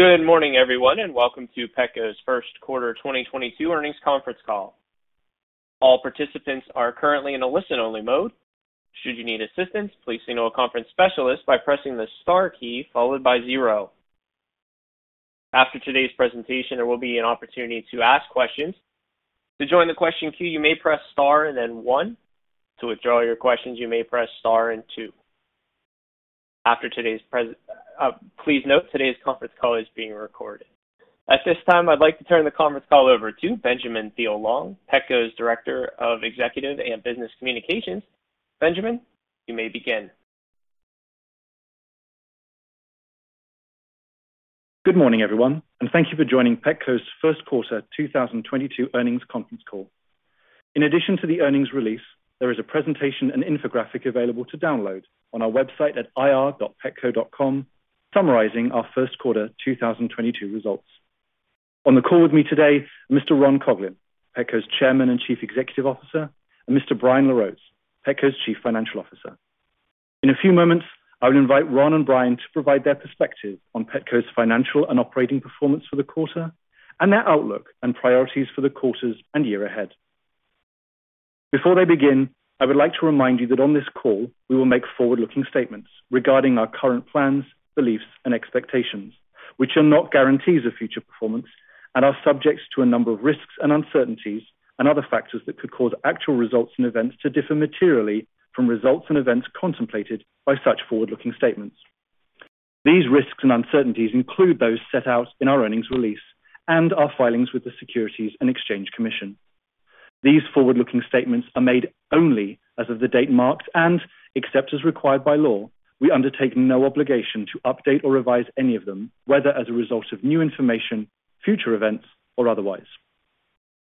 Good morning, everyone, and welcome to Petco's Q1 2022 earnings conference call. All participants are currently in a listen-only mode. Should you need assistance, please signal a conference specialist by pressing the star key followed by zero. After today's presentation, there will be an opportunity to ask questions. To join the question queue, you may press star and then one. To withdraw your questions, you may press star and two. Please note, today's conference call is being recorded. At this time, I'd like to turn the conference call over to Benjamin Thiele-Long, Petco's Director of Executive and Business Communications. Benjamin, you may begin. Good morning, everyone, and thank you for joining Petco's Q1 2022 earnings conference call. In addition to the earnings release, there is a presentation and infographic available to download on our website at ir.petco.com summarizing our Q1 2022 results. On the call with me today, Mr. Ron Coughlin, Petco's Chairman and Chief Executive Officer, and Mr. Brian LaRose, Petco's Chief Financial Officer. In a few moments, I would invite Ron and Brian to provide their perspective on Petco's financial and operating performance for the quarter and their outlook and priorities for the quarters and year ahead. Before they begin, I would like to remind you that on this call, we will make forward-looking statements regarding our current plans, beliefs, and expectations, which are not guarantees of future performance and are subject to a number of risks and uncertainties and other factors that could cause actual results and events to differ materially from results and events contemplated by such forward-looking statements. These risks and uncertainties include those set out in our earnings release and our filings with the Securities and Exchange Commission. These forward-looking statements are made only as of the date hereof, and except as required by law, we undertake no obligation to update or revise any of them, whether as a result of new information, future events, or otherwise.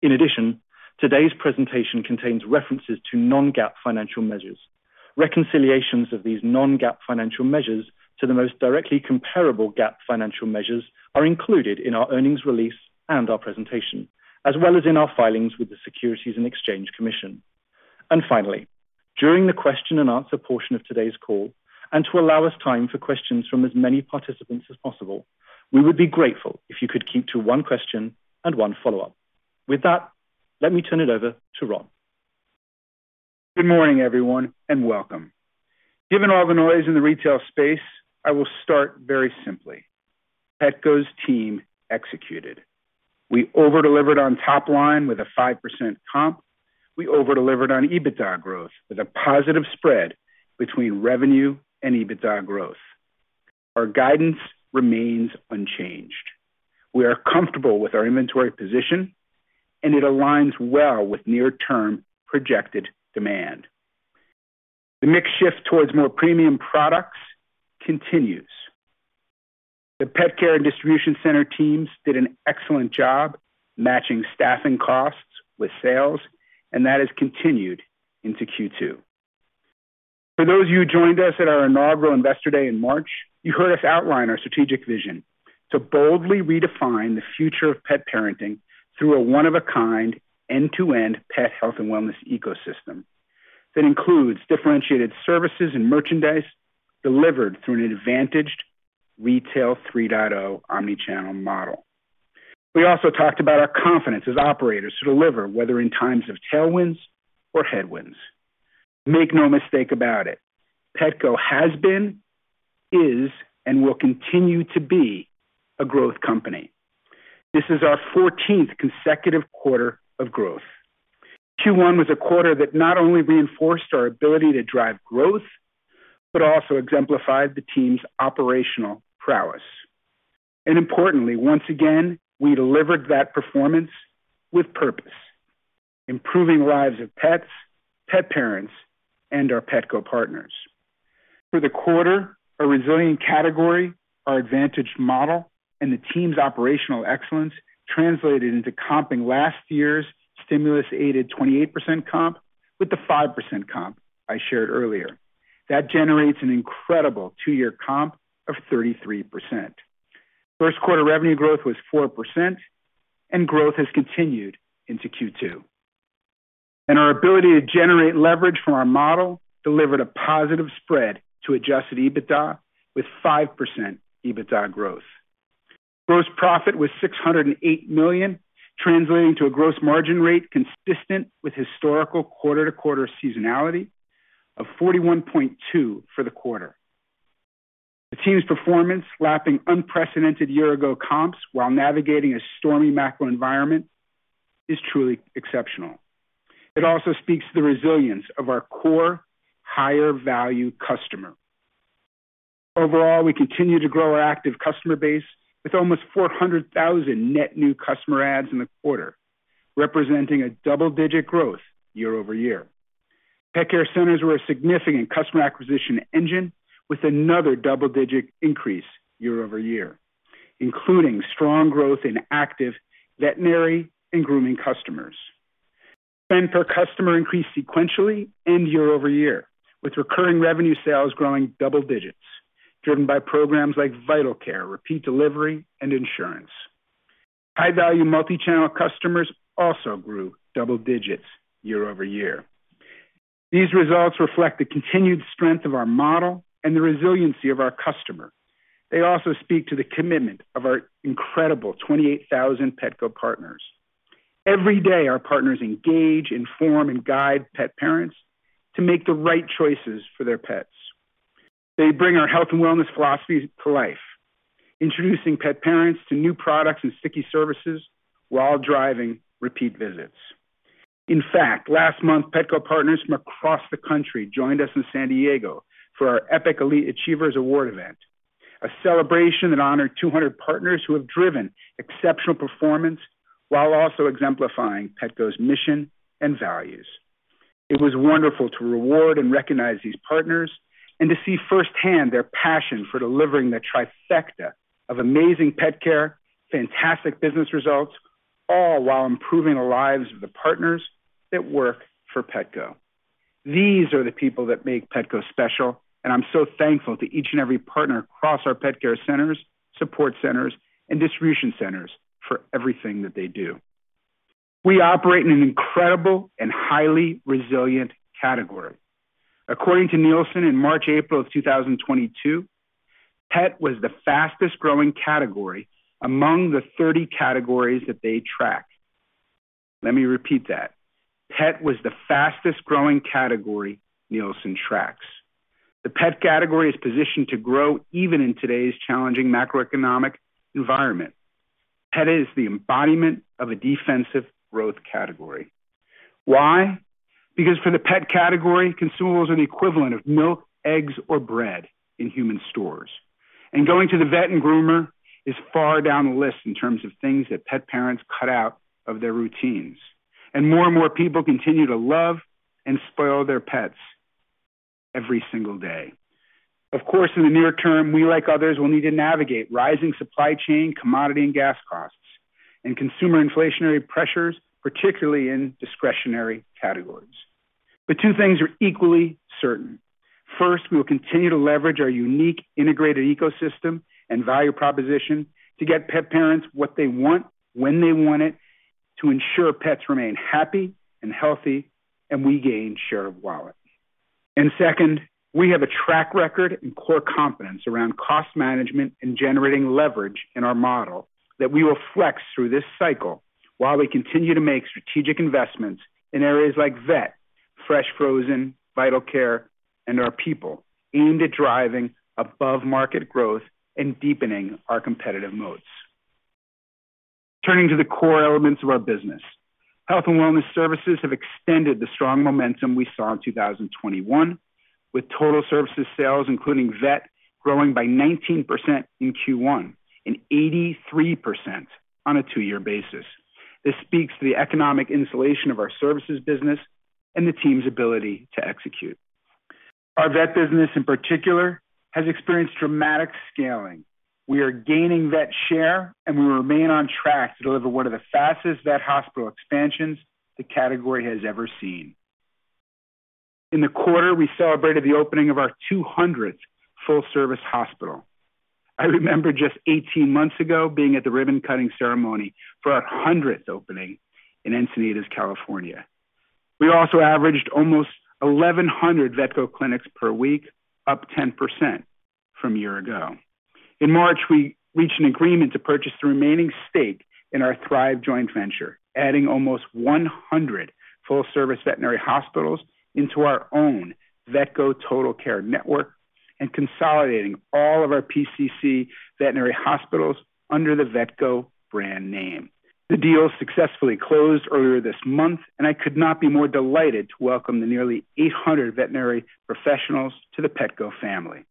In addition, today's presentation contains references to non-GAAP financial measures. Reconciliations of these non-GAAP financial measures to the most directly comparable GAAP financial measures are included in our earnings release and our presentation, as well as in our filings with the Securities and Exchange Commission. Finally, during the question and answer portion of today's call, and to allow us time for questions from as many participants as possible, we would be grateful if you could keep to one question and one follow-up. With that, let me turn it over to Ron. Good morning, everyone, and welcome. Given all the noise in the retail space, I will start very simply. Petco's team executed. We over-delivered on top line with a 5% comp. We over-delivered on EBITDA growth with a positive spread between revenue and EBITDA growth. Our guidance remains unchanged. We are comfortable with our inventory position, and it aligns well with near-term projected demand. The mix shift towards more premium products continues. The Pet Care and Distribution Center teams did an excellent job matching staffing costs with sales, and that has continued into Q2. For those of you who joined us at our inaugural Investor Day in March, you heard us outline our strategic vision to boldly redefine the future of pet parenting through a one-of-a-kind end-to-end pet health and wellness ecosystem that includes differentiated services and merchandise delivered through an advantaged Retail 3.0 omnichannel model. We also talked about our confidence as operators to deliver, whether in times of tailwinds or headwinds. Make no mistake about it, Petco has been, is, and will continue to be a growth company. This is our 14th consecutive quarter of growth. Q1 was a quarter that not only reinforced our ability to drive growth, but also exemplified the team's operational prowess. Importantly, once again, we delivered that performance with purpose, improving lives of pets, pet parents, and our Petco partners. For the quarter, our resilient category, our advantaged model, and the team's operational excellence translated into comping last year's stimulus-aided 28% comp with the 5% comp I shared earlier. That generates an incredible two-year comp of 33%. Q1 revenue growth was 4%, and growth has continued into Q2. Our ability to generate leverage from our model delivered a positive spread to adjusted EBITDA with 5% EBITDA growth. Gross profit was $608 million, translating to a gross margin rate consistent with historical quarter-to-quarter seasonality of 41.2% for the quarter. The team's performance lapping unprecedented year-ago comps while navigating a stormy macro environment is truly exceptional. It also speaks to the resilience of our core higher value customer. Overall, we continue to grow our active customer base with almost 400,000 net new customer adds in the quarter, representing a double-digit growth year-over-year. Pet Care centers were a significant customer acquisition engine with another double-digit increase year-over-year, including strong growth in active veterinary and grooming customers. Spend per customer increased sequentially and year-over-year, with recurring revenue sales growing double digits, driven by programs like Vital Care, repeat delivery, and insurance. High-value multi-channel customers also grew double digits year-over-year. These results reflect the continued strength of our model and the resiliency of our customer. They also speak to the commitment of our incredible 28,000 Petco partners. Every day, our partners engage, inform, and guide pet parents to make the right choices for their pets. They bring our health and wellness philosophy to life, introducing pet parents to new products and sticky services while driving repeat visits. In fact, last month, Petco partners from across the country joined us in San Diego for our Epic Achievers Award event, a celebration that honored 200 partners who have driven exceptional performance while also exemplifying Petco's mission and values. It was wonderful to reward and recognize these partners and to see firsthand their passion for delivering the trifecta of amazing pet care, fantastic business results, all while improving the lives of the partners that work for Petco. These are the people that make Petco special, and I'm so thankful to each and every partner across our pet care centers, support centers, and distribution centers for everything that they do. We operate in an incredible and highly resilient category. According to Nielsen, in March and April of 2022, pet was the fastest-growing category among the 30 categories that they track. Let me repeat that. Pet was the fastest-growing category Nielsen tracks. The pet category is positioned to grow even in today's challenging macroeconomic environment. Pet is the embodiment of a defensive growth category. Why? Because for the pet category, consumables are the equivalent of milk, eggs, or bread in human stores. Going to the vet and groomer is far down the list in terms of things that pet parents cut out of their routines. More and more people continue to love and spoil their pets every single day. Of course, in the near term, we, like others, will need to navigate rising supply chain, commodity and gas costs and consumer inflationary pressures, particularly in discretionary categories. Two things are equally certain. First, we will continue to leverage our unique integrated ecosystem and value proposition to get pet parents what they want when they want it to ensure pets remain happy and healthy and we gain share of wallet. Second, we have a track record and core competence around cost management and generating leverage in our model that we will flex through this cycle while we continue to make strategic investments in areas like vet, fresh frozen, Vital Care, and our people aimed at driving above-market growth and deepening our competitive moats. Turning to the core elements of our business. Health and wellness services have extended the strong momentum we saw in 2021, with total services sales, including vet, growing by 19% in Q1 and 83% on a two-year basis. This speaks to the economic insulation of our services business and the team's ability to execute. Our vet business, in particular, has experienced dramatic scaling. We are gaining vet share, and we remain on track to deliver one of the fastest vet hospital expansions the category has ever seen. In the quarter, we celebrated the opening of our 200th full-service hospital. I remember just 18 months ago being at the ribbon-cutting ceremony for our 100th opening in Encinitas, California. We also averaged almost 1,100 Vetco clinics per week, up 10% from a year ago. In March, we reached an agreement to purchase the remaining stake in our Thrive joint venture, adding almost 100 full-service veterinary hospitals into our own Vetco Total Care network and consolidating all of our PCC veterinary hospitals under the Vetco brand name. The deal successfully closed earlier this month, and I could not be more delighted to welcome the nearly 800 veterinary professionals to the Petco family.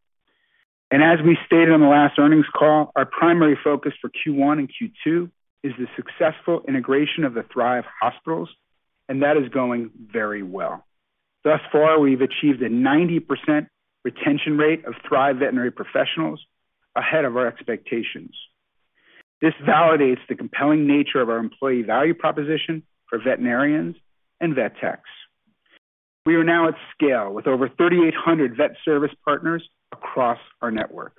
As we stated on the last earnings call, our primary focus for Q1 and Q2 is the successful integration of the Thrive hospitals, and that is going very well. Thus far, we've achieved a 90% retention rate of Thrive veterinary professionals ahead of our expectations. This validates the compelling nature of our employee value proposition for veterinarians and vet techs. We are now at scale with over 3,800 vet service partners across our network.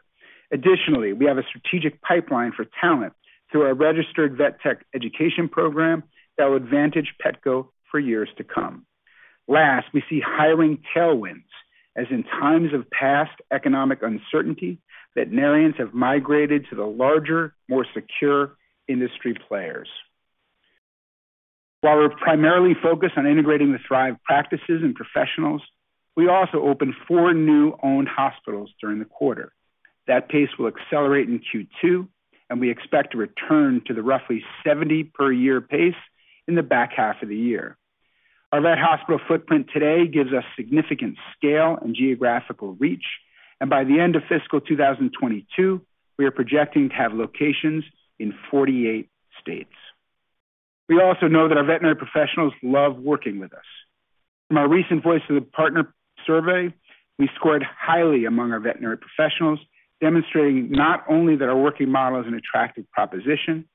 Additionally, we have a strategic pipeline for talent through our registered vet tech education program that will advantage Petco for years to come. Last, we see hiring tailwinds as in times of past economic uncertainty, veterinarians have migrated to the larger, more secure industry players. While we're primarily focused on integrating the Thrive practices and professionals, we also opened 4 new owned hospitals during the quarter. That pace will accelerate in Q2, and we expect to return to the roughly 70 per year pace in the back half of the year. Our vet hospital footprint today gives us significant scale and geographical reach, and by the end of fiscal 2022, we are projecting to have locations in 48 states. We also know that our veterinary professionals love working with us. From our recent Voice of the Partner survey, we scored highly among our veterinary professionals, demonstrating not only that our working model is an attractive proposition,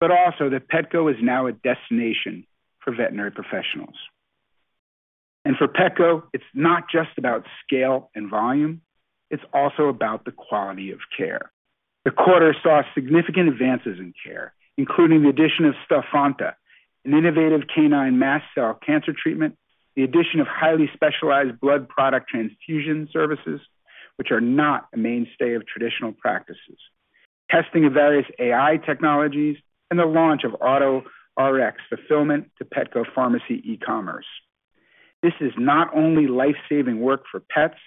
but also that Petco is now a destination for veterinary professionals. For Petco, it's not just about scale and volume, it's also about the quality of care. The quarter saw significant advances in care, including the addition of Stelfonta, an innovative canine mast cell cancer treatment, the addition of highly specialized blood product transfusion services, which are not a mainstay of traditional practices, testing of various AI technologies, and the launch of Auto-Rx fulfillment to Petco pharmacy e-commerce. This is not only life-saving work for pets,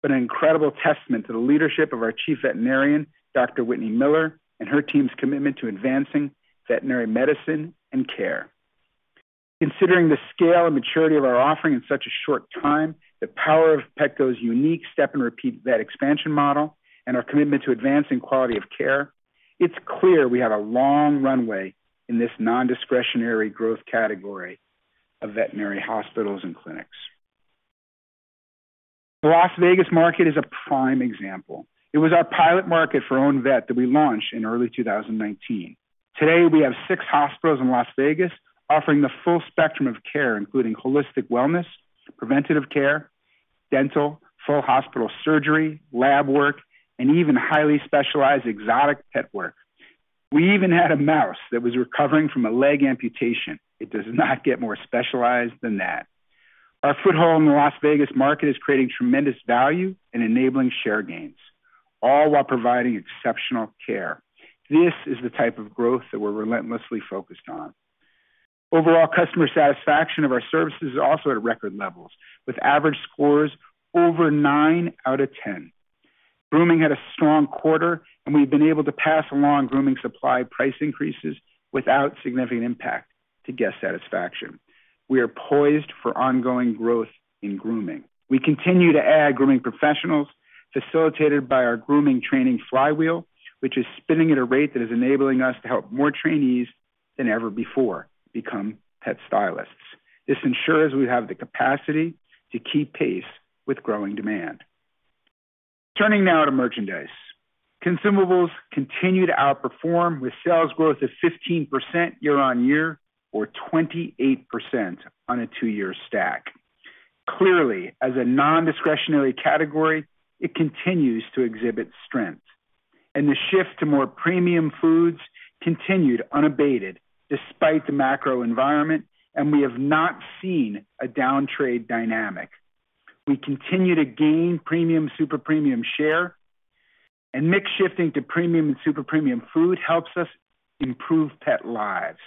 but an incredible testament to the leadership of our chief veterinarian, Dr. Whitney Miller, and her team's commitment to advancing veterinary medicine and care. Considering the scale and maturity of our offering in such a short time, the power of Petco's unique step and repeat vet expansion model and our commitment to advancing quality of care, it's clear we have a long runway in this non-discretionary growth category of veterinary hospitals and clinics. The Las Vegas market is a prime example. It was our pilot market for own vet that we launched in early 2019. Today, we have 6 hospitals in Las Vegas offering the full spectrum of care, including holistic wellness, preventative care, dental, full hospital surgery, lab work, and even highly specialized exotic pet work. We even had a mouse that was recovering from a leg amputation. It does not get more specialized than that. Our foothold in the Las Vegas market is creating tremendous value and enabling share gains, all while providing exceptional care. This is the type of growth that we're relentlessly focused on. Overall customer satisfaction of our services is also at record levels, with average scores over 9 out of 10. Grooming had a strong quarter, and we've been able to pass along grooming supply price increases without significant impact to guest satisfaction. We are poised for ongoing growth in grooming. We continue to add grooming professionals facilitated by our grooming training flywheel, which is spinning at a rate that is enabling us to help more trainees than ever before become pet stylists. This ensures we have the capacity to keep pace with growing demand. Turning now to merchandise. Consumables continue to outperform with sales growth of 15% year-on-year or 28% on a two year stack. Clearly, as a non-discretionary category, it continues to exhibit strength. The shift to more premium foods continued unabated despite the macro environment, and we have not seen a downtrade dynamic. We continue to gain premium, super premium share, and mix shifting to premium and super premium food helps us improve pet lives.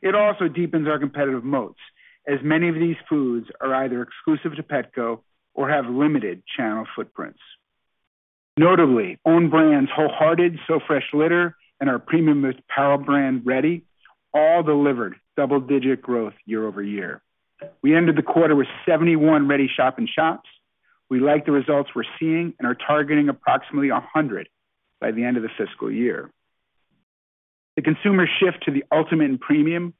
It also deepens our competitive moats, as many of these foods are either exclusive to Petco or have limited channel footprints. Notably, own brands WholeHearted, So Phresh, and our premium, most powerful brand Reddy all delivered double-digit growth year-over-year. We ended the quarter with 71 Reddy shop-in-shops. We like the results we're seeing and are targeting approximately 100 by the end of the fiscal year. The consumer shift to the ultimate premium,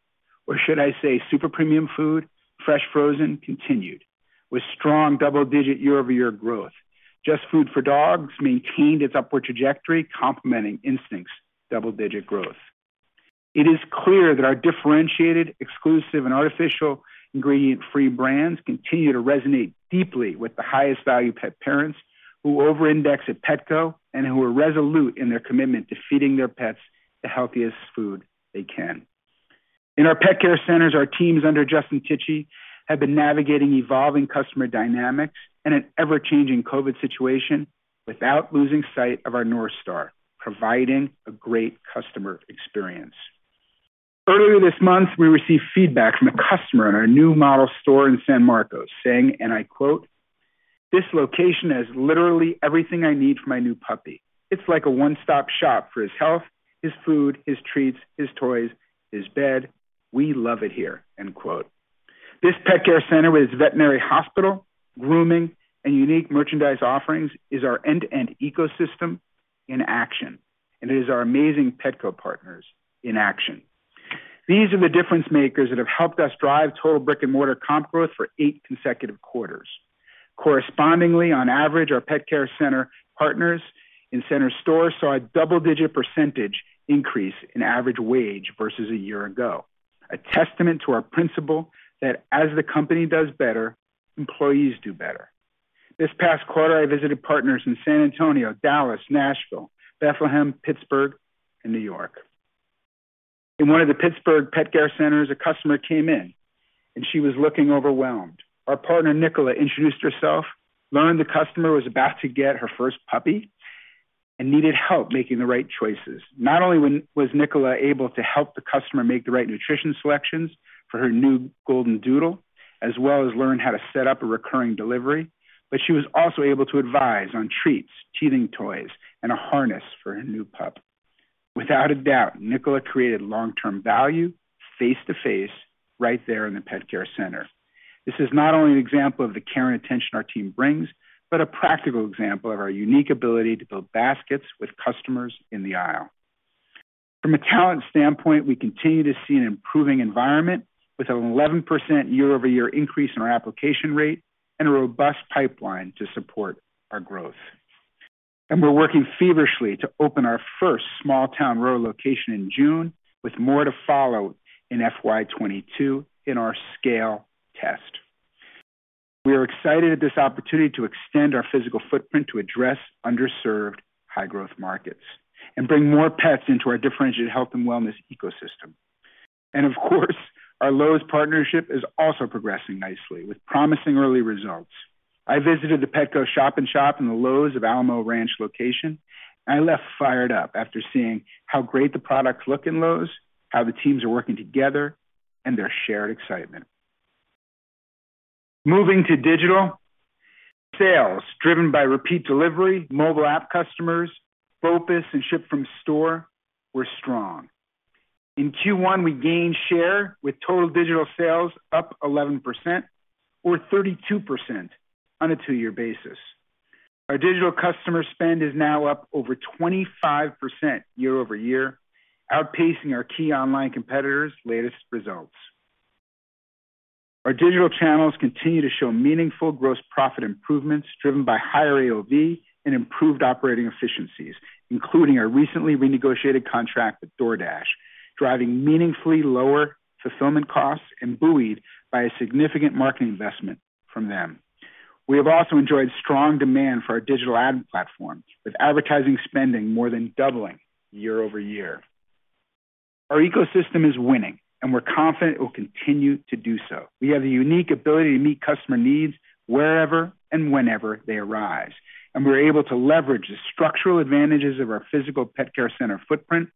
or should I say super premium food, fresh frozen, continued with strong double-digit year-over-year growth. JustFoodForDogs maintained its upward trajectory, complementing Instinct's double-digit growth. It is clear that our differentiated, exclusive, and artificial ingredient-free brands continue to resonate deeply with the highest value pet parents who over-index at Petco and who are resolute in their commitment to feeding their pets the healthiest food they can. In our Pet Care Centers, our teams under Justin Tichy have been navigating evolving customer dynamics in an ever-changing COVID situation without losing sight of our North Star, providing a great customer experience. Earlier this month, we received feedback from a customer in our new model store in San Marcos saying, and I quote, "This location has literally everything I need for my new puppy. It's like a one-stop shop for his health, his food, his treats, his toys, his bed. We love it here." End quote. This Pet Care Center with its veterinary hospital, grooming, and unique merchandise offerings is our end-to-end ecosystem in action, and it is our amazing Petco partners in action. These are the difference makers that have helped us drive total brick-and-mortar comp growth for eight consecutive quarters. Correspondingly, on average, our Pet Care Center partners in center stores saw a double-digit percentage increase in average wage versus a year ago, a testament to our principle that as the company does better, employees do better. This past quarter, I visited partners in San Antonio, Dallas, Nashville, Bethlehem, Pittsburgh, and New York. In one of the Pittsburgh Pet Care Centers, a customer came in, and she was looking overwhelmed. Our partner, Nicola, introduced herself, learned the customer was about to get her first puppy, and needed help making the right choices. Not only was Nicola able to help the customer make the right nutrition selections for her new goldendoodle, as well as learn how to set up a recurring delivery, but she was also able to advise on treats, teething toys, and a harness for her new pup. Without a doubt, Nicola created long-term value face-to-face right there in the Pet Care Center. This is not only an example of the care and attention our team brings, but a practical example of our unique ability to build baskets with customers in the aisle. From a talent standpoint, we continue to see an improving environment with an 11% year-over-year increase in our application rate and a robust pipeline to support our growth. We're working feverishly to open our first small-town rural location in June, with more to follow in FY 2022 in our scale test. We are excited at this opportunity to extend our physical footprint to address underserved high growth markets and bring more pets into our differentiated health and wellness ecosystem. Of course, our Lowe's partnership is also progressing nicely with promising early results. I visited the Petco shop-in-shop in the Lowe's of Alamo Ranch location. I left fired up after seeing how great the products look in Lowe's, how the teams are working together, and their shared excitement. Moving to digital, sales driven by repeat delivery, mobile app customers, BOPIS, and ship from store were strong. In Q1, we gained share with total digital sales up 11% or 32% on a two-year basis. Our digital customer spend is now up over 25% year-over-year, outpacing our key online competitors' latest results. Our digital channels continue to show meaningful gross profit improvements driven by higher AOV and improved operating efficiencies, including our recently renegotiated contract with DoorDash, driving meaningfully lower fulfillment costs and buoyed by a significant marketing investment from them. We have also enjoyed strong demand for our digital ad platforms, with advertising spending more than doubling year-over-year. Our ecosystem is winning, and we're confident it will continue to do so. We have the unique ability to meet customer needs wherever and whenever they arise, and we're able to leverage the structural advantages of our physical Pet Care Center footprint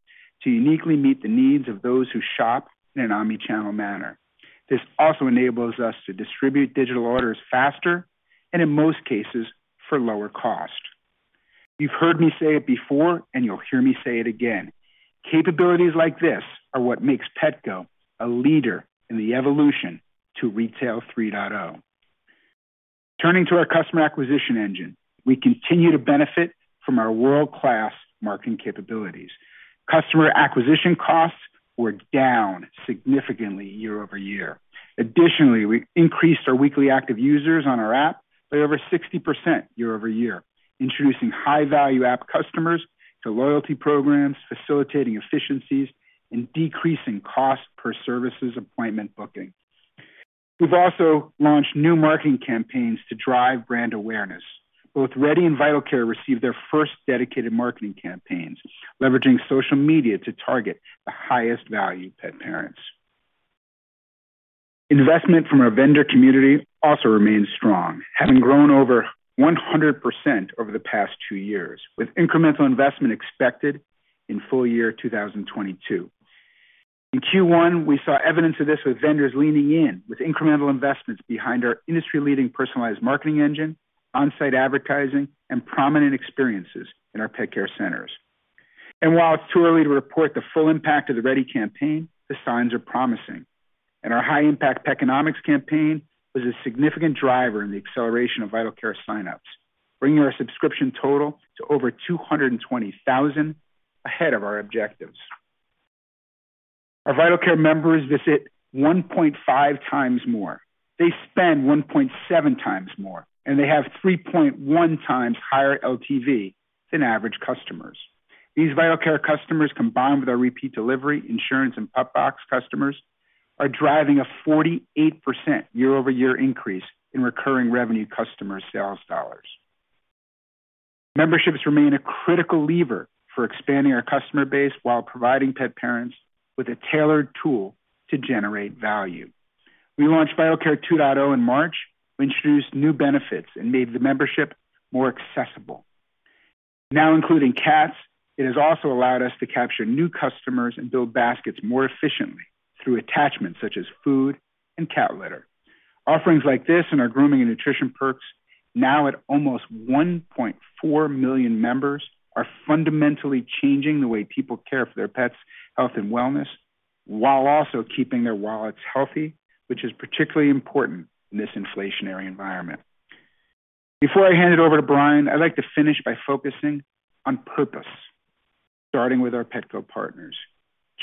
to uniquely meet the needs of those who shop in an omnichannel manner. This also enables us to distribute digital orders faster and, in most cases, for lower cost. You've heard me say it before, and you'll hear me say it again. Capabilities like this are what makes Petco a leader in the evolution to Retail 3.0. Turning to our customer acquisition engine, we continue to benefit from our world-class marketing capabilities. Customer acquisition costs were down significantly year-over-year. Additionally, we increased our weekly active users on our app by over 60% year-over-year, introducing high-value app customers to loyalty programs, facilitating efficiencies, and decreasing cost per services appointment booking. We've also launched new marketing campaigns to drive brand awareness. Both Reddy and Vital Care received their first dedicated marketing campaigns, leveraging social media to target the highest value pet parents. Investment from our vendor community also remains strong, having grown over 100% over the past two years, with incremental investment expected in full year 2022. In Q1, we saw evidence of this, with vendors leaning in with incremental investments behind our industry-leading personalized marketing engine, on-site advertising, and prominent experiences in our Pet Care Centers. While it's too early to report the full impact of the Reddy campaign, the signs are promising, and our high-impact Petconomics campaign was a significant driver in the acceleration of Vital Care sign-ups, bringing our subscription total to over 220,000 ahead of our objectives. Our Vital Care members visit 1.5x more. They spend 1.7x more, and they have 3.1x higher LTV than average customers. These Vital Care customers, combined with our repeat delivery, insurance, and PupBox customers, are driving a 48% year-over-year increase in recurring revenue customer sales dollars. Memberships remain a critical lever for expanding our customer base while providing pet parents with a tailored tool to generate value. We launched Vital Care 2.0 in March. We introduced new benefits and made the membership more accessible. Now including cats, it has also allowed us to capture new customers and build baskets more efficiently through attachments such as food and cat litter. Offerings like this and our grooming and nutrition perks, now at almost 1.4 million members, are fundamentally changing the way people care for their pets' health and wellness while also keeping their wallets healthy, which is particularly important in this inflationary environment. Before I hand it over to Brian, I'd like to finish by focusing on purpose, starting with our Petco partners.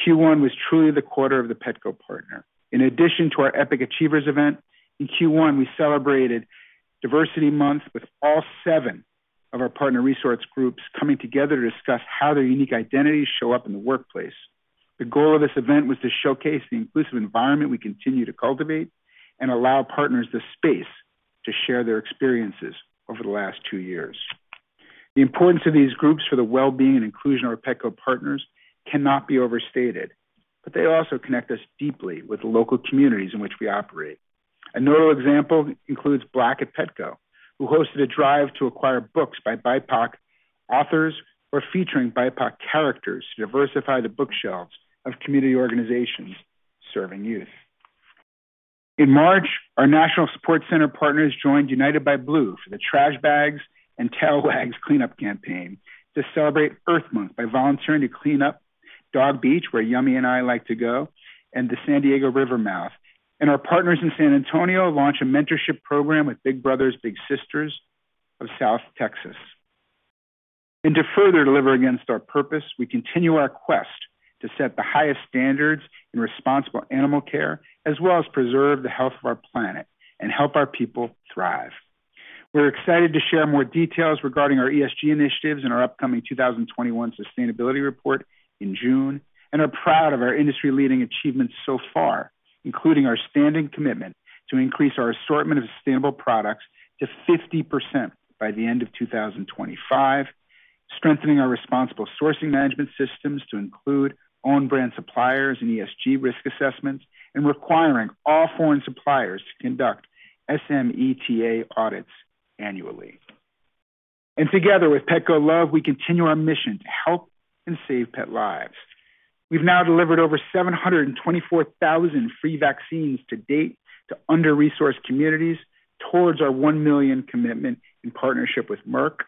Q1 was truly the quarter of the Petco partner. In addition to our Epic Achievers event, in Q1, we celebrated Diversity Month with all seven of our partner resource groups coming together to discuss how their unique identities show up in the workplace. The goal of this event was to showcase the inclusive environment we continue to cultivate and allow partners the space to share their experiences over the last two years. The importance of these groups for the well-being and inclusion of our Petco partners cannot be overstated, but they also connect us deeply with the local communities in which we operate. A notable example includes Black at Petco, who hosted a drive to acquire books by BIPOC authors or featuring BIPOC characters to diversify the bookshelves of community organizations serving youth. In March, our national support center partners joined United By Blue for the Trash Bags and Tail Wags cleanup campaign to celebrate Earth Month by volunteering to clean up Dog Beach, where Yummy and I like to go, and the San Diego River mouth. Our partners in San Antonio launched a mentorship program with Big Brothers Big Sisters of South Texas. To further deliver against our purpose, we continue our quest to set the highest standards in responsible animal care, as well as preserve the health of our planet and help our people thrive. We're excited to share more details regarding our ESG initiatives in our upcoming 2021 sustainability report in June, and are proud of our industry-leading achievements so far, including our standing commitment to increase our assortment of sustainable products to 50% by the end of 2025, strengthening our responsible sourcing management systems to include own brand suppliers and ESG risk assessments, and requiring all foreign suppliers to conduct SMETA audits annually. Together with Petco Love, we continue our mission to help and save pet lives. We've now delivered over 724,000 free vaccines to date to under-resourced communities towards our 1 million commitment in partnership with Merck.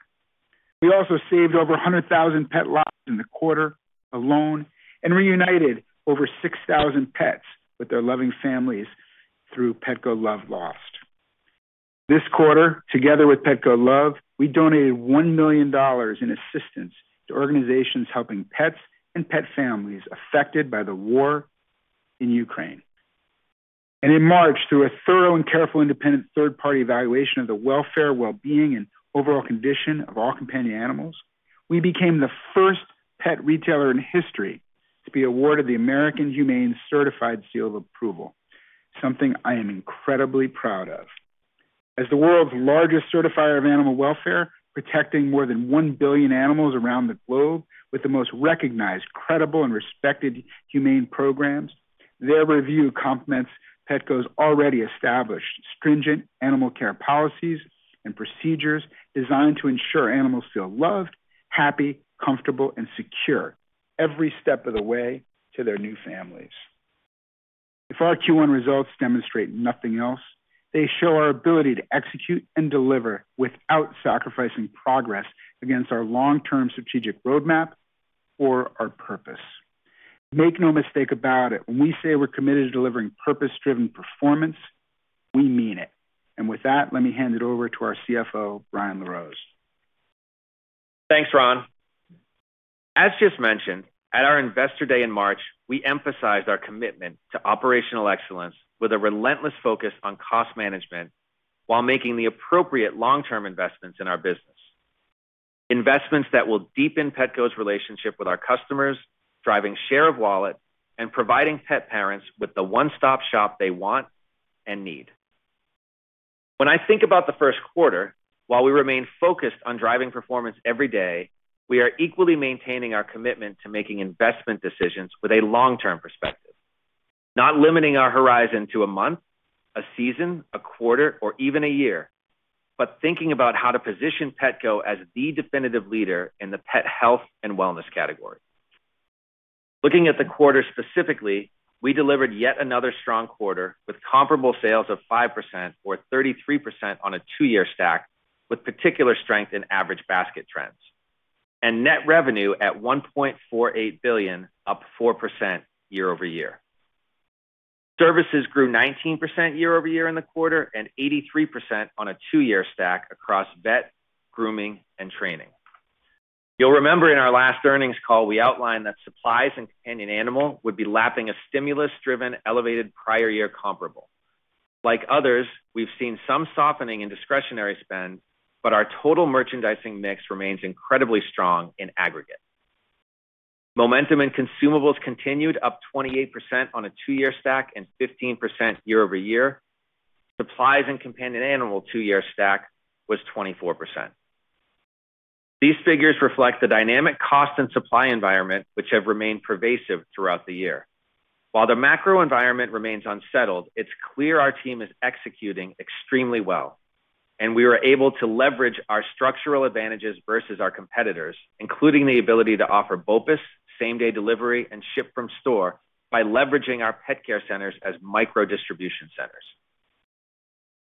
We also saved over 100,000 pet lives in the quarter alone and reunited over 6,000 pets with their loving families through Petco Love Lost. This quarter, together with Petco Love, we donated $1 million in assistance to organizations helping pets and pet families affected by the war in Ukraine. In March, through a thorough and careful independent third-party evaluation of the welfare, well-being, and overall condition of all companion animals, we became the first pet retailer in history to be awarded the American Humane Certified Seal of Approval, something I am incredibly proud of. As the world's largest certifier of animal welfare, protecting more than 1 billion animals around the globe with the most recognized, credible, and respected humane programs, their review complements Petco's already established stringent animal care policies and procedures designed to ensure animals feel loved, happy, comfortable, and secure every step of the way to their new families. If our Q1 results demonstrate nothing else, they show our ability to execute and deliver without sacrificing progress against our long-term strategic roadmap or our purpose. Make no mistake about it, when we say we're committed to delivering purpose-driven performance, we mean it. With that, let me hand it over to our CFO, Brian LaRose. Thanks, Ron. As just mentioned, at our Investor Day in March, we emphasized our commitment to operational excellence with a relentless focus on cost management while making the appropriate long-term investments in our business. Investments that will deepen Petco's relationship with our customers, driving share of wallet, and providing pet parents with the one-stop-shop they want and need. When I think about the Q1, while we remain focused on driving performance every day, we are equally maintaining our commitment to making investment decisions with a long-term perspective. Not limiting our horizon to a month, a season, a quarter, or even a year, but thinking about how to position Petco as the definitive leader in the pet health and wellness category. Looking at the quarter specifically, we delivered yet another strong quarter with comparable sales of 5% or 33% on a two-year stack, with particular strength in average basket trends. Net revenue at $1.48 billion, up 4% year-over-year. Services grew 19% year-over-year in the quarter and 83% on a two-year stack across vet, grooming, and training. You'll remember in our last earnings call, we outlined that supplies and companion animal would be lapping a stimulus-driven elevated prior year comparable. Like others, we've seen some softening in discretionary spend, but our total merchandising mix remains incredibly strong in aggregate. Momentum and consumables continued up 28% on a two-year stack and 15% year-over-year. Supplies and companion animal two-year stack was 24%. These figures reflect the dynamic cost and supply environment which have remained pervasive throughout the year. While the macro environment remains unsettled, it's clear our team is executing extremely well, and we were able to leverage our structural advantages versus our competitors, including the ability to offer BOPIS, same-day delivery, and ship from store by leveraging our pet care centers as micro distribution centers.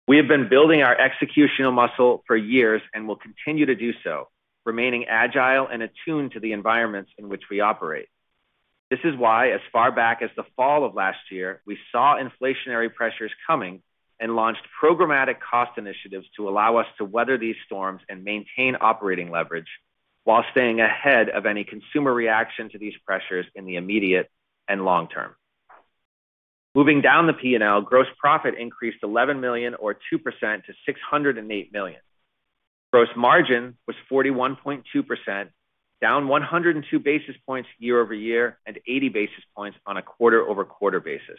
We have been building our executional muscle for years and will continue to do so, remaining agile and attuned to the environments in which we operate. This is why as far back as the fall of last year, we saw inflationary pressures coming and launched programmatic cost initiatives to allow us to weather these storms and maintain operating leverage while staying ahead of any consumer reaction to these pressures in the immediate and long term. Moving down the P&L, gross profit increased $11 million or 2% to $608 million. Gross margin was 41.2%, down 102 basis points year-over-year, and 80 basis points on a quarter-over-quarter basis.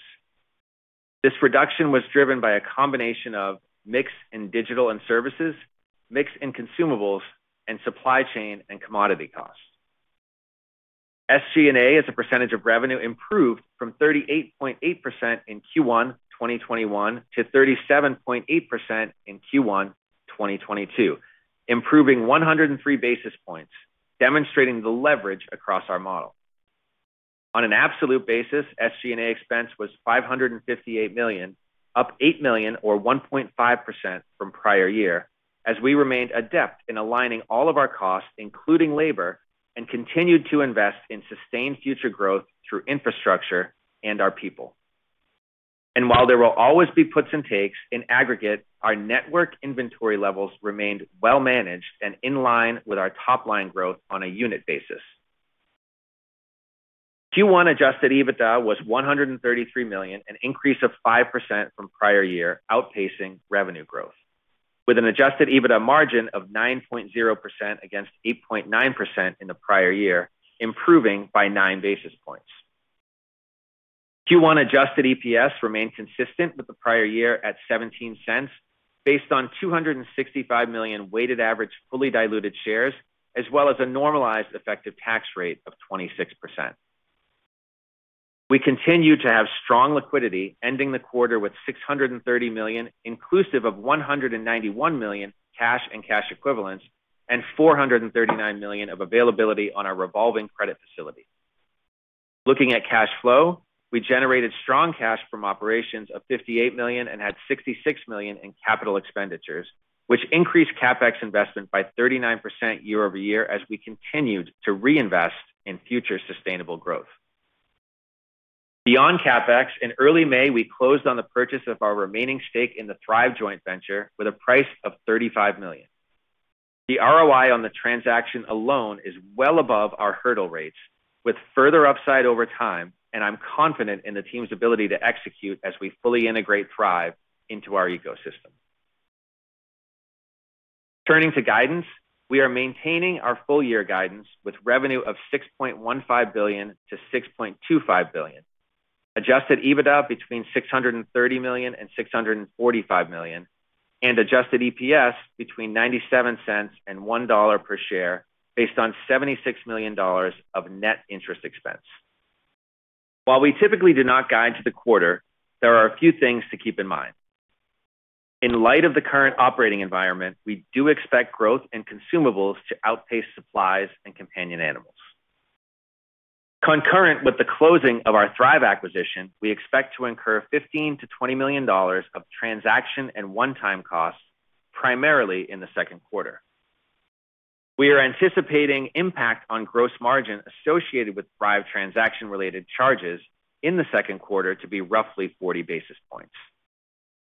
This reduction was driven by a combination of mix in digital and services, mix in consumables, and supply chain and commodity costs. SG&A, as a percentage of revenue, improved from 38.8% in Q1 2021 to 37.8% in Q1 2022, improving 103 basis points, demonstrating the leverage across our model. On an absolute basis, SG&A expense was $558 million, up $8 million or 1.5% from prior year, as we remained adept in aligning all of our costs, including labor, and continued to invest in sustained future growth through infrastructure and our people. While there will always be puts and takes, in aggregate, our network inventory levels remained well managed and in line with our top line growth on a unit basis. Q1 adjusted EBITDA was $133 million, an increase of 5% from prior year, outpacing revenue growth, with an adjusted EBITDA margin of 9.0% against 8.9% in the prior year, improving by 9 basis points. Q1 adjusted EPS remained consistent with the prior year at $0.17, based on 265 million weighted average fully diluted shares, as well as a normalized effective tax rate of 26%. We continue to have strong liquidity, ending the quarter with $630 million, inclusive of $191 million cash and cash equivalents, and $439 million of availability on our revolving credit facility. Looking at cash flow, we generated strong cash from operations of $58 million and had $66 million in capital expenditures, which increased CapEx investment by 39% year-over-year as we continued to reinvest in future sustainable growth. Beyond CapEx, in early May, we closed on the purchase of our remaining stake in the Thrive joint venture with a price of $35 million. The ROI on the transaction alone is well above our hurdle rates with further upside over time, and I'm confident in the team's ability to execute as we fully integrate Thrive into our ecosystem. Turning to guidance, we are maintaining our full year guidance with revenue of $6.15 billion-$6.25 billion, adjusted EBITDA between $630 million-$645 million, and adjusted EPS between $0.97-$1.00 per share based on $76 million of net interest expense. While we typically do not guide to the quarter, there are a few things to keep in mind. In light of the current operating environment, we do expect growth and consumables to outpace supplies and companion animals. Concurrent with the closing of our Thrive acquisition, we expect to incur $15 million-$20 million of transaction and one-time costs, primarily in the Q2. We are anticipating impact on gross margin associated with Thrive transaction-related charges in the Q2 to be roughly 40 basis points.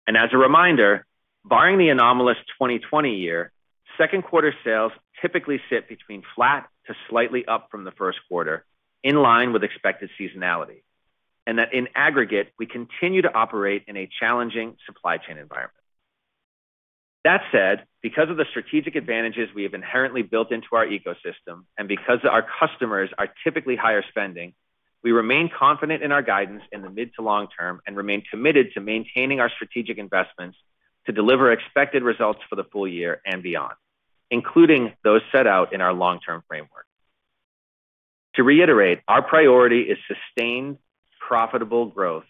As a reminder, barring the anomalous 2020 year, Q2 sales typically sit between flat to slightly up from the Q1, in line with expected seasonality, and that in aggregate, we continue to operate in a challenging supply chain environment. That said, because of the strategic advantages we have inherently built into our ecosystem, and because our customers are typically higher spending, we remain confident in our guidance in the mid to long term and remain committed to maintaining our strategic investments to deliver expected results for the full year and beyond, including those set out in our long-term framework. To reiterate, our priority is sustained, profitable growth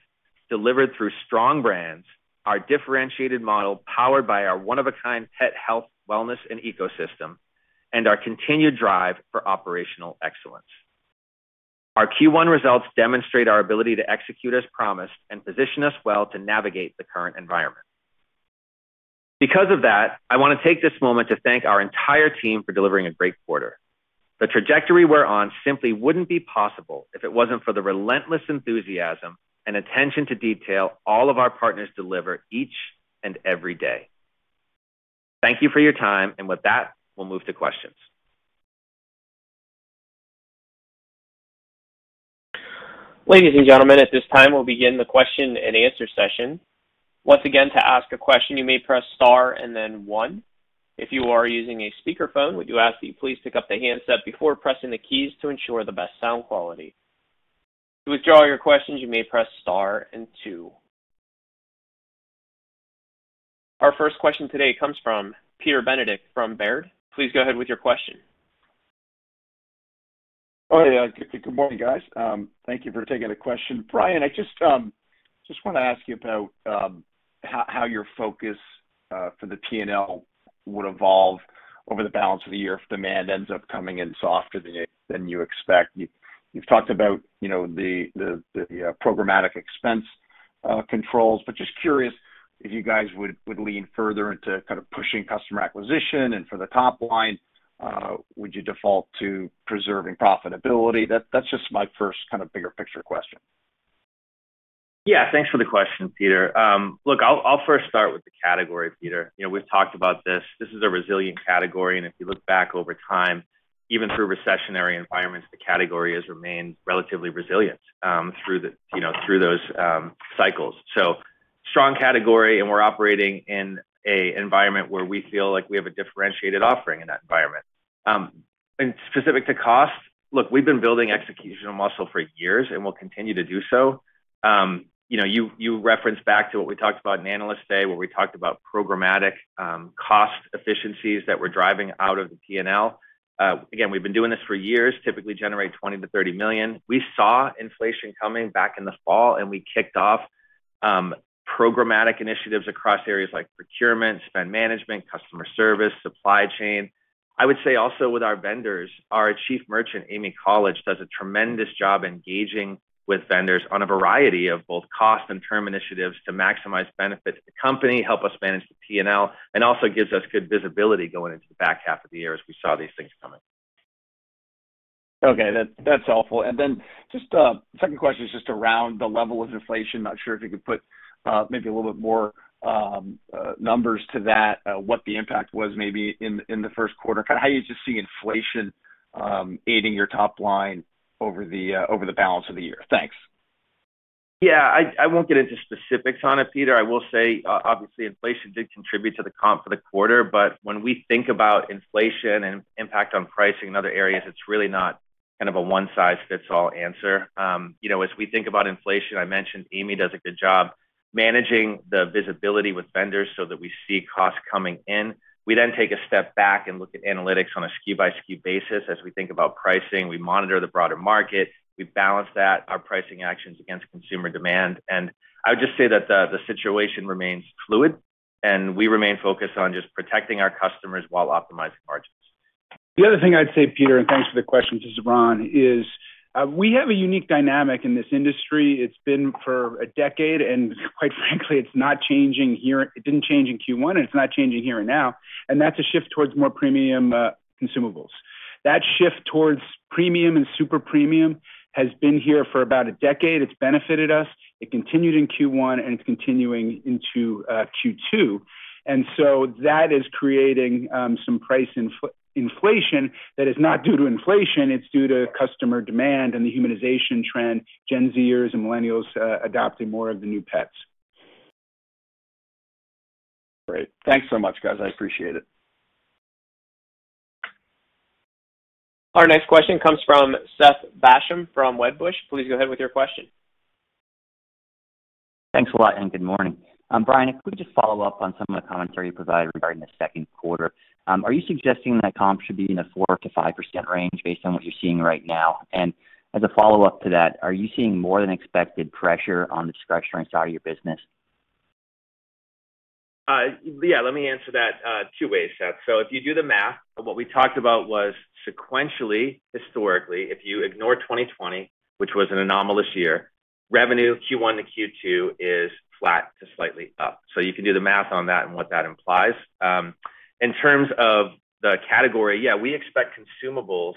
delivered through strong brands, our differentiated model powered by our one-of-a-kind pet health, wellness, and ecosystem, and our continued drive for operational excellence. Our Q1 results demonstrate our ability to execute as promised and position us well to navigate the current environment. Because of that, I wanna take this moment to thank our entire team for delivering a great quarter. The trajectory we're on simply wouldn't be possible if it wasn't for the relentless enthusiasm and attention to detail all of our partners deliver each and every day. Thank you for your time, and with that, we'll move to questions. Ladies and gentlemen, at this time, we'll begin the question and answer session. Once again, to ask a question, you may press star and then one. If you are using a speakerphone, we do ask that you please pick up the handset before pressing the keys to ensure the best sound quality. To withdraw your questions, you may press star and two. Our first question today comes from Peter Benedict from Baird. Please go ahead with your question. Oh, yeah. Good morning, guys. Thank you for taking the question. Brian, I just wanna ask you about how your focus for the P&L would evolve over the balance of the year if demand ends up coming in softer than you expect. You've talked about, you know, the programmatic expense controls, but just curious if you guys would lean further into kind of pushing customer acquisition and for the top line, would you default to preserving profitability? That's just my first kind of bigger picture question. Yeah, thanks for the question, Peter. Look, I'll first start with the category, Peter. You know, we've talked about this. This is a resilient category, and if you look back over time, even through recessionary environments, the category has remained relatively resilient through those cycles. Strong category, and we're operating in an environment where we feel like we have a differentiated offering in that environment. Specific to cost, look, we've been building executional muscle for years, and we'll continue to do so. You know, you referenced back to what we talked about in Analyst Day, where we talked about programmatic cost efficiencies that we're driving out of the P&L. Again, we've been doing this for years, typically generate $20 million to $30 million. We saw inflation coming back in the fall, and we kicked off programmatic initiatives across areas like procurement, spend management, customer service, supply chain. I would say also with our vendors, our Chief Merchant, Amy College, does a tremendous job engaging with vendors on a variety of both cost and term initiatives to maximize benefits to the company, help us manage the P&L, and also gives us good visibility going into the back half of the year as we saw these things coming. Okay. That's helpful. Just second question is just around the level of inflation. Not sure if you could put maybe a little bit more numbers to that, what the impact was maybe in the Q1. Kind of how you just see inflation aiding your top line over the balance of the year. Thanks. Yeah, I won't get into specifics on it, Peter. I will say obviously, inflation did contribute to the comp for the quarter, but when we think about inflation and impact on pricing in other areas, it's really not kind of a one-size-fits-all answer. You know, as we think about inflation, I mentioned Amy does a good job managing the visibility with vendors so that we see costs coming in. We then take a step back and look at analytics on a SKU by SKU basis. As we think about pricing, we monitor the broader market. We balance that, our pricing actions against consumer demand. I would just say that the situation remains fluid, and we remain focused on just protecting our customers while optimizing margins. The other thing I'd say, Peter, and thanks for the question to Ron, is we have a unique dynamic in this industry. It's been for a decade, and quite frankly, it's not changing here. It didn't change in Q1, and it's not changing here now, and that's a shift towards more premium consumables. That shift towards premium and super premium has been here for about a decade. It's benefited us. It continued in Q1, and it's continuing into Q2. That is creating some price inflation that is not due to inflation. It's due to customer demand and the humanization trend, Gen Zers and millennials adopting more of the new pets. Great. Thanks so much, guys. I appreciate it. Our next question comes from Seth Basham from Wedbush. Please go ahead with your question. Thanks a lot, and good morning. Brian, if we just follow up on some of the commentary you provided regarding the Q2. Are you suggesting that comps should be in a 4%-5% range based on what you're seeing right now? As a follow-up to that, are you seeing more than expected pressure on the discretionary side of your business? Yeah. Let me answer that two ways, Seth. If you do the math of what we talked about was sequentially, historically, if you ignore 2020, which was an anomalous year, revenue Q1 to Q2 is flat to slightly up. You can do the math on that and what that implies. In terms of the category, yeah, we expect consumables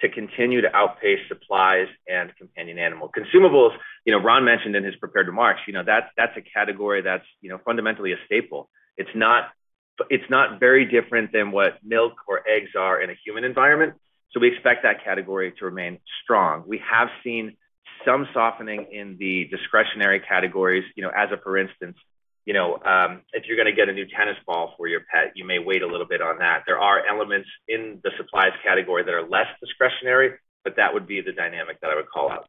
to continue to outpace supplies and companion animal. Consumables, you know, Ron mentioned in his prepared remarks, you know, that's a category that's, you know, fundamentally a staple. It's not very different than what milk or eggs are in a human environment, so we expect that category to remain strong. We have seen some softening in the discretionary categories. You know, as a for instance, you know, if you're gonna get a new tennis ball for your pet, you may wait a little bit on that. There are elements in the supplies category that are less discretionary, but that would be the dynamic that I would call out.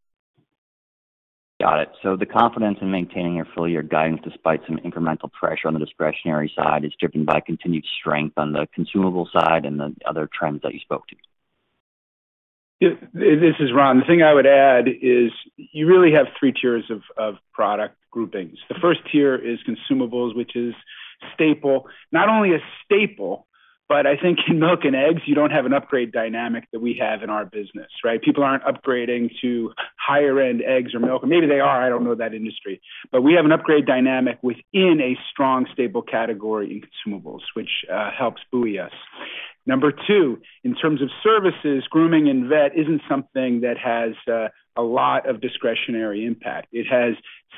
Got it. The confidence in maintaining your full-year guidance despite some incremental pressure on the discretionary side is driven by continued strength on the consumable side and the other trends that you spoke to. Yeah. This is Ron. The thing I would add is you really have three tiers of product groupings. The first tier is consumables, which is staple. Not only a staple, but I think in milk and eggs, you don't have an upgrade dynamic that we have in our business, right? People aren't upgrading to higher end eggs or milk. Maybe they are. I don't know that industry. But we have an upgrade dynamic within a strong, stable category in consumables, which helps buoy us. Number two, in terms of services, grooming and vet isn't something that has a lot of discretionary impact. It has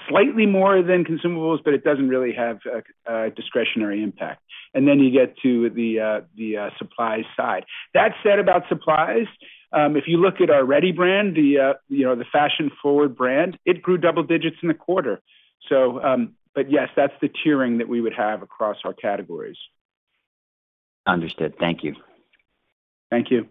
slightly more than consumables, but it doesn't really have a discretionary impact. You get to the supply side. That said about supplies, if you look at our Reddy brand, the you know, the fashion-forward brand, it grew double digits in the quarter. Yes, that's the tiering that we would have across our categories. Understood. Thank you. Thank you.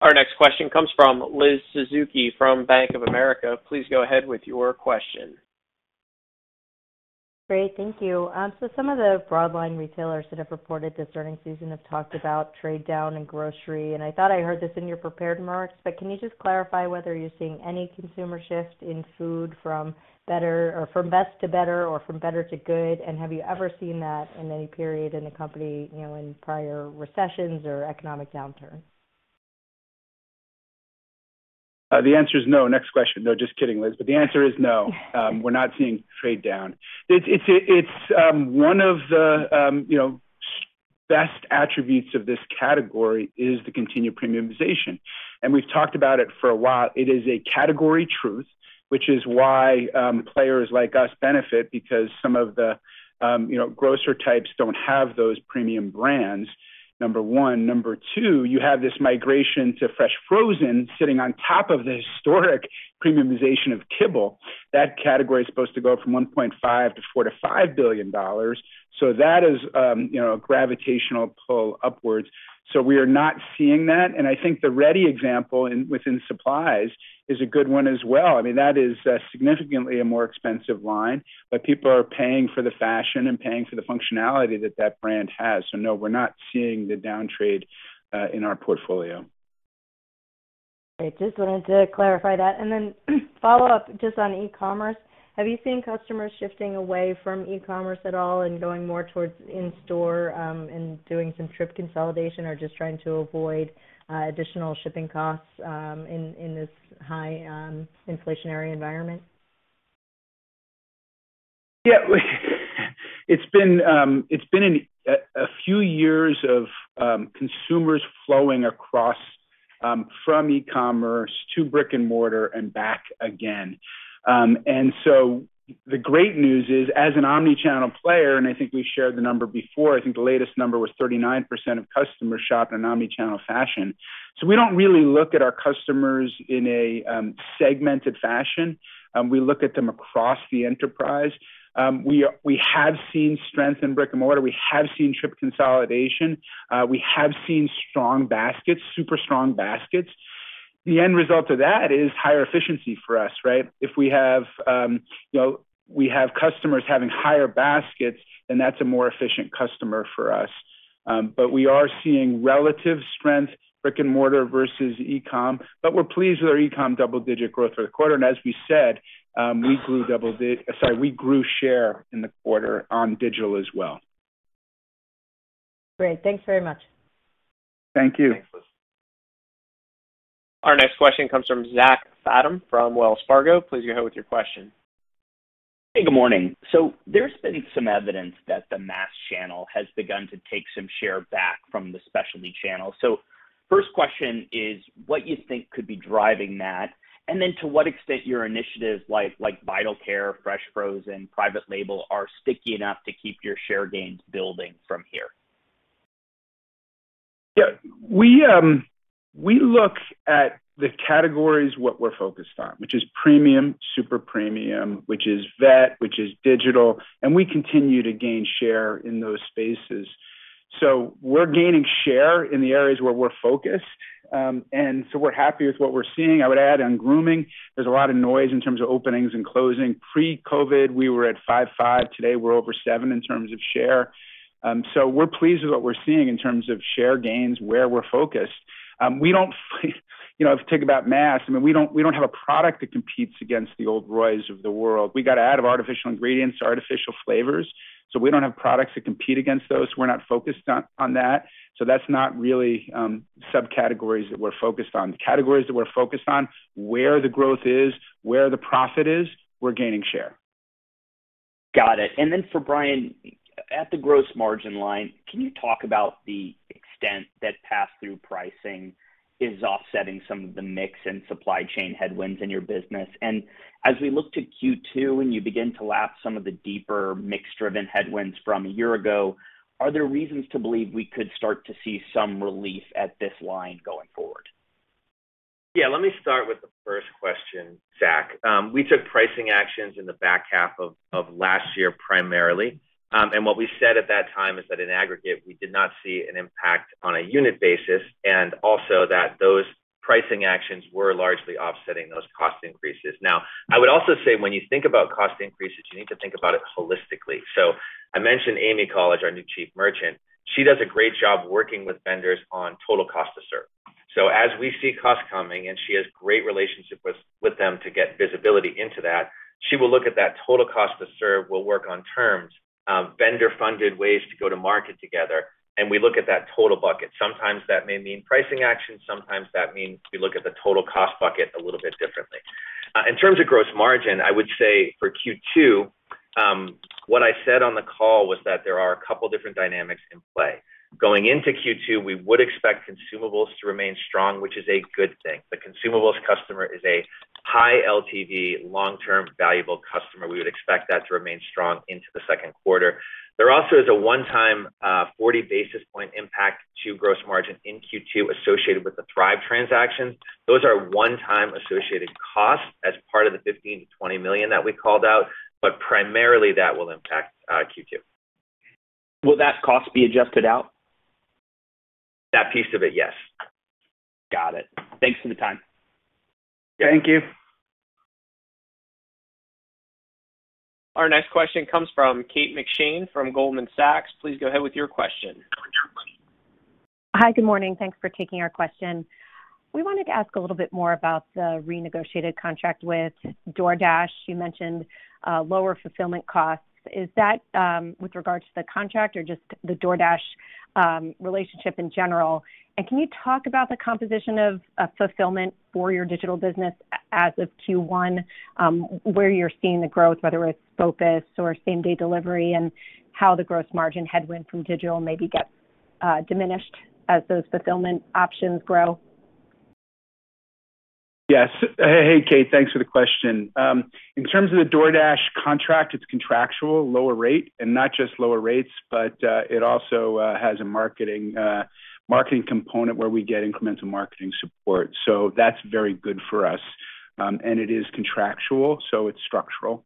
Our next question comes from Liz Suzuki from Bank of America. Please go ahead with your question. Great. Thank you. Some of the broad line retailers that have reported this earnings season have talked about trade down in grocery, and I thought I heard this in your prepared remarks, but can you just clarify whether you're seeing any consumer shift in food from better or from best to better or from better to good? Have you ever seen that in any period in the company, you know, in prior recessions or economic downturns? The answer is no. Next question. No, just kidding, Liz. The answer is no. We're not seeing trade down. It's one of the, you know, best attributes of this category is the continued premiumization, and we've talked about it for a while. It is a category truth, which is why players like us benefit because some of the, you know, grocer types don't have those premium brands, number one. Number two, you have this migration to fresh frozen sitting on top of the historic premiumization of kibble. That category is supposed to go from $1.5 billion to $4 to $5 billion. That is, you know, a gravitational pull upwards. We are not seeing that, and I think the Reddy example within supplies is a good one as well. I mean, that is significantly a more expensive line, but people are paying for the fashion and paying for the functionality that that brand has. No, we're not seeing the down trade in our portfolio. Great. Just wanted to clarify that. Follow up just on e-commerce. Have you seen customers shifting away from e-commerce at all and going more towards in-store, and doing some trip consolidation or just trying to avoid, additional shipping costs, in this high, inflationary environment? Yeah. It's been a few years of consumers flowing across from e-commerce to brick-and-mortar and back again. The great news is, as an omni-channel player, and I think we shared the number before, I think the latest number was 39% of customers shop in an omni-channel fashion. We don't really look at our customers in a segmented fashion. We look at them across the enterprise. We have seen strength in brick-and-mortar. We have seen trip consolidation. We have seen strong baskets, super strong baskets. The end result of that is higher efficiency for us, right? If we have, you know, we have customers having higher baskets, then that's a more efficient customer for us. We are seeing relative strength, brick-and-mortar versus e-com, but we're pleased with our e-com double-digit growth for the quarter. As we said, we grew share in the quarter on digital as well. Great. Thanks very much. Thank you. Our next question comes from Zachary Fadem from Wells Fargo. Please go ahead with your question. Hey, good morning. There's been some evidence that the mass channel has begun to take some share back from the specialty channel. First question is what you think could be driving that, and then to what extent your initiatives like Vital Care, Fresh Frozen, private label are sticky enough to keep your share gains building from here. We look at the categories what we're focused on, which is premium, super premium, which is vet, which is digital, and we continue to gain share in those spaces. We're gaining share in the areas where we're focused, and we're happy with what we're seeing. I would add on grooming, there's a lot of noise in terms of openings and closings. Pre-COVID, we were at 55%. Today, we're over 70% in terms of share. We're pleased with what we're seeing in terms of share gains where we're focused. We don't, you know, if you think about mass, I mean, we don't have a product that competes against the Ol' Roy of the world. We got rid of added artificial ingredients, artificial flavors. We don't have products that compete against those. We're not focused on that. That's not really subcategories that we're focused on. The categories that we're focused on, where the growth is, where the profit is, we're gaining share. Got it. Then for Brian, at the gross margin line, can you talk about the extent that pass-through pricing is offsetting some of the mix and supply chain headwinds in your business? As we look to Q2 and you begin to lap some of the deeper mix-driven headwinds from a year ago, are there reasons to believe we could start to see some relief at this line going forward? Yeah. Let me start with the first question, Zach. We took pricing actions in the back half of last year, primarily. What we said at that time is that in aggregate, we did not see an impact on a unit basis, and also that those pricing actions were largely offsetting those cost increases. Now, I would also say when you think about cost increases, you need to think about it holistically. I mentioned Amy College, our new chief merchant. She does a great job working with vendors on total cost to serve. As we see costs coming, and she has great relationship with them to get visibility into that, she will look at that total cost to serve. We'll work on terms, vendor-funded ways to go to market together, and we look at that total bucket. Sometimes that may mean pricing action. Sometimes that means we look at the total cost bucket a little bit differently. In terms of gross margin, I would say for Q2, what I said on the call was that there are a couple different dynamics in play. Going into Q2, we would expect consumables to remain strong, which is a good thing. The consumables customer is a high LTV long-term valuable customer. We would expect that to remain strong into the Q2. There also is a one-time, 40 basis point impact to gross margin in Q2 associated with the Thrive transaction. Those are one-time associated costs as part of the $15 million to $20 million that we called out, but primarily that will impact Q2. Will that cost be adjusted out? That piece of it, yes. Got it. Thanks for the time. Thank you. Our next question comes from Kate McShane from Goldman Sachs. Please go ahead with your question. Hi. Good morning. Thanks for taking our question. We wanted to ask a little bit more about the renegotiated contract with DoorDash. You mentioned lower fulfillment costs. Is that with regards to the contract or just the DoorDash relationship in general? Can you talk about the composition of fulfillment for your digital business as of Q1, where you're seeing the growth, whether it's focus or same-day delivery, and how the gross margin headwind from digital maybe gets diminished as those fulfillment options grow? Yes. Hey, Kate. Thanks for the question. In terms of the DoorDash contract, it's contractual lower rate and not just lower rates, but it also has a marketing component where we get incremental marketing support. That's very good for us. It is contractual, so it's structural.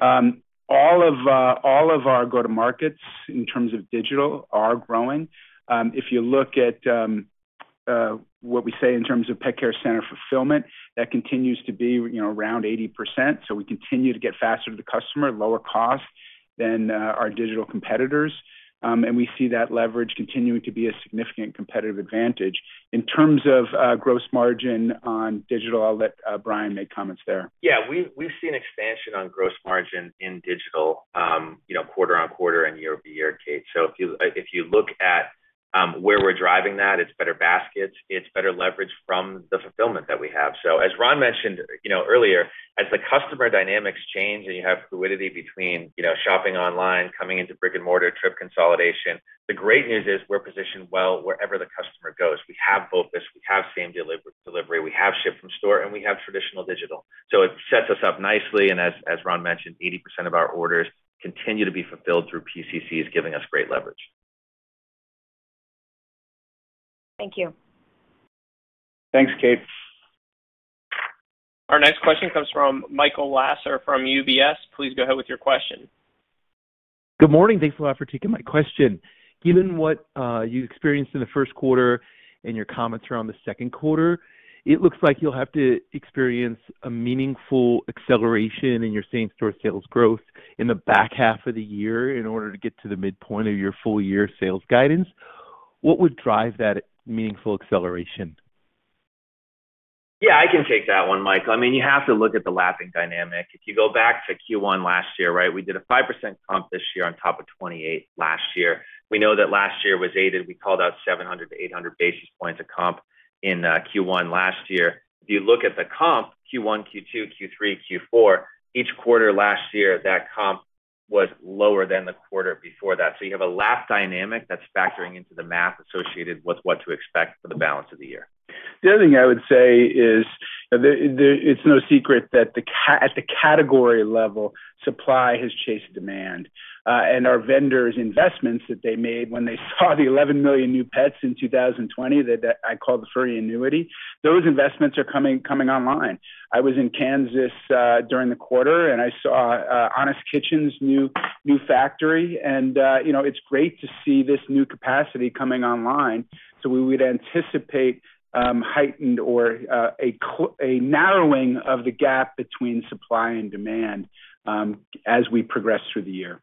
All of our go-to-markets in terms of digital are growing. If you look at what we say in terms of Pet Care Center fulfillment, that continues to be, you know, around 80%. We continue to get faster to the customer, lower cost than our digital competitors. We see that leverage continuing to be a significant competitive advantage. In terms of gross margin on digital, I'll let Brian make comments there. We've seen expansion on gross margin in digital, you know, quarter-over-quarter and year-over-year, Kate. If you look at where we're driving that, it's better baskets, it's better leverage from the fulfillment that we have. As Ron mentioned, you know, earlier, as the customer dynamics change and you have fluidity between, you know, shopping online, coming into brick-and-mortar, trip consolidation, the great news is we're positioned well wherever the customer goes. We have BOPIS, we have same-day delivery, we have ship from store, and we have traditional digital. It sets us up nicely. As Ron mentioned, 80% of our orders continue to be fulfilled through PCC, is giving us great leverage. Thank you. Thanks, Kate. Our next question comes from Michael Lasser from UBS. Please go ahead with your question. Good morning. Thanks a lot for taking my question. Given what you experienced in the first quarter and your comments around the second quarter, it looks like you'll have to experience a meaningful acceleration in your same-store sales growth in the back half of the year in order to get to the midpoint of your full year sales guidance. What would drive that meaningful acceleration? Yeah, I can take that one, Michael. I mean, you have to look at the lapping dynamic. If you go back to Q1 last year, right? We did a 5% comp this year on top of 28% last year. We know that last year was aided. We called out 700 to 800 basis points of comp in Q1 last year. If you look at the comp, Q1, Q2, Q3, Q4, each quarter last year, that comp was lower than the quarter before that. You have a lap dynamic that's factoring into the math associated with what to expect for the balance of the year. The other thing I would say is that it's no secret that at the category level, supply has chased demand, and our vendors investments that they made when they saw the 11 million new pets in 2020 that I call the furry annuity, those investments are coming online. I was in Kansas during the quarter, and I saw Honest Kitchen's new factory. You know, it's great to see this new capacity coming online. We would anticipate heightened or a narrowing of the gap between supply and demand as we progress through the year.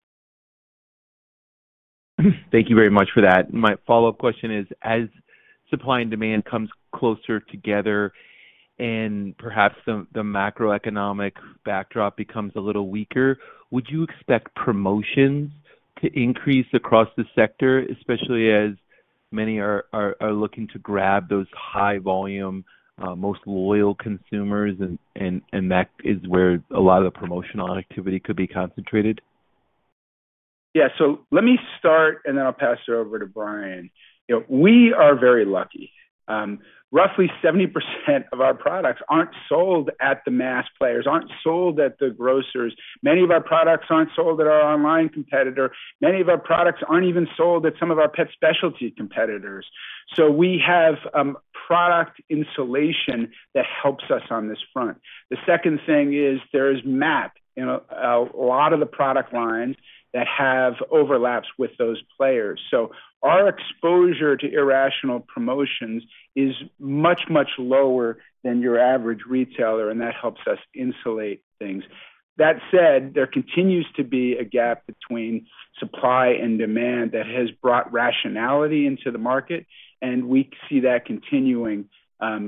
Thank you very much for that. My follow-up question is, as supply and demand comes closer together and perhaps the macroeconomic backdrop becomes a little weaker, would you expect promotions to increase across the sector, especially as many are looking to grab those high volume, most loyal consumers and that is where a lot of the promotional activity could be concentrated? Yeah. Let me start, and then I'll pass it over to Brian. You know, we are very lucky. Roughly 70% of our products aren't sold at the mass players, aren't sold at the grocers. Many of our products aren't sold at our online competitor. Many of our products aren't even sold at some of our pet specialty competitors. We have product insulation that helps us on this front. The second thing is there is MAP in a lot of the product lines that have overlaps with those players. Our exposure to irrational promotions is much, much lower than your average retailer, and that helps us insulate things. That said, there continues to be a gap between supply and demand that has brought rationality into the market, and we see that continuing,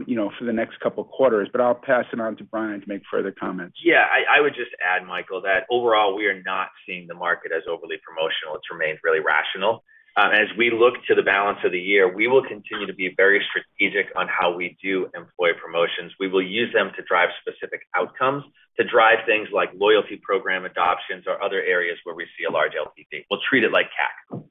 you know, for the next couple of quarters. I'll pass it on to Brian to make further comments. Yeah. I would just add, Michael, that overall, we are not seeing the market as overly promotional. It's remained really rational. As we look to the balance of the year, we will continue to be very strategic on how we do employee promotions. We will use them to drive specific outcomes, to drive things like loyalty program adoptions or other areas where we see a large LTV. We'll treat it like CAC.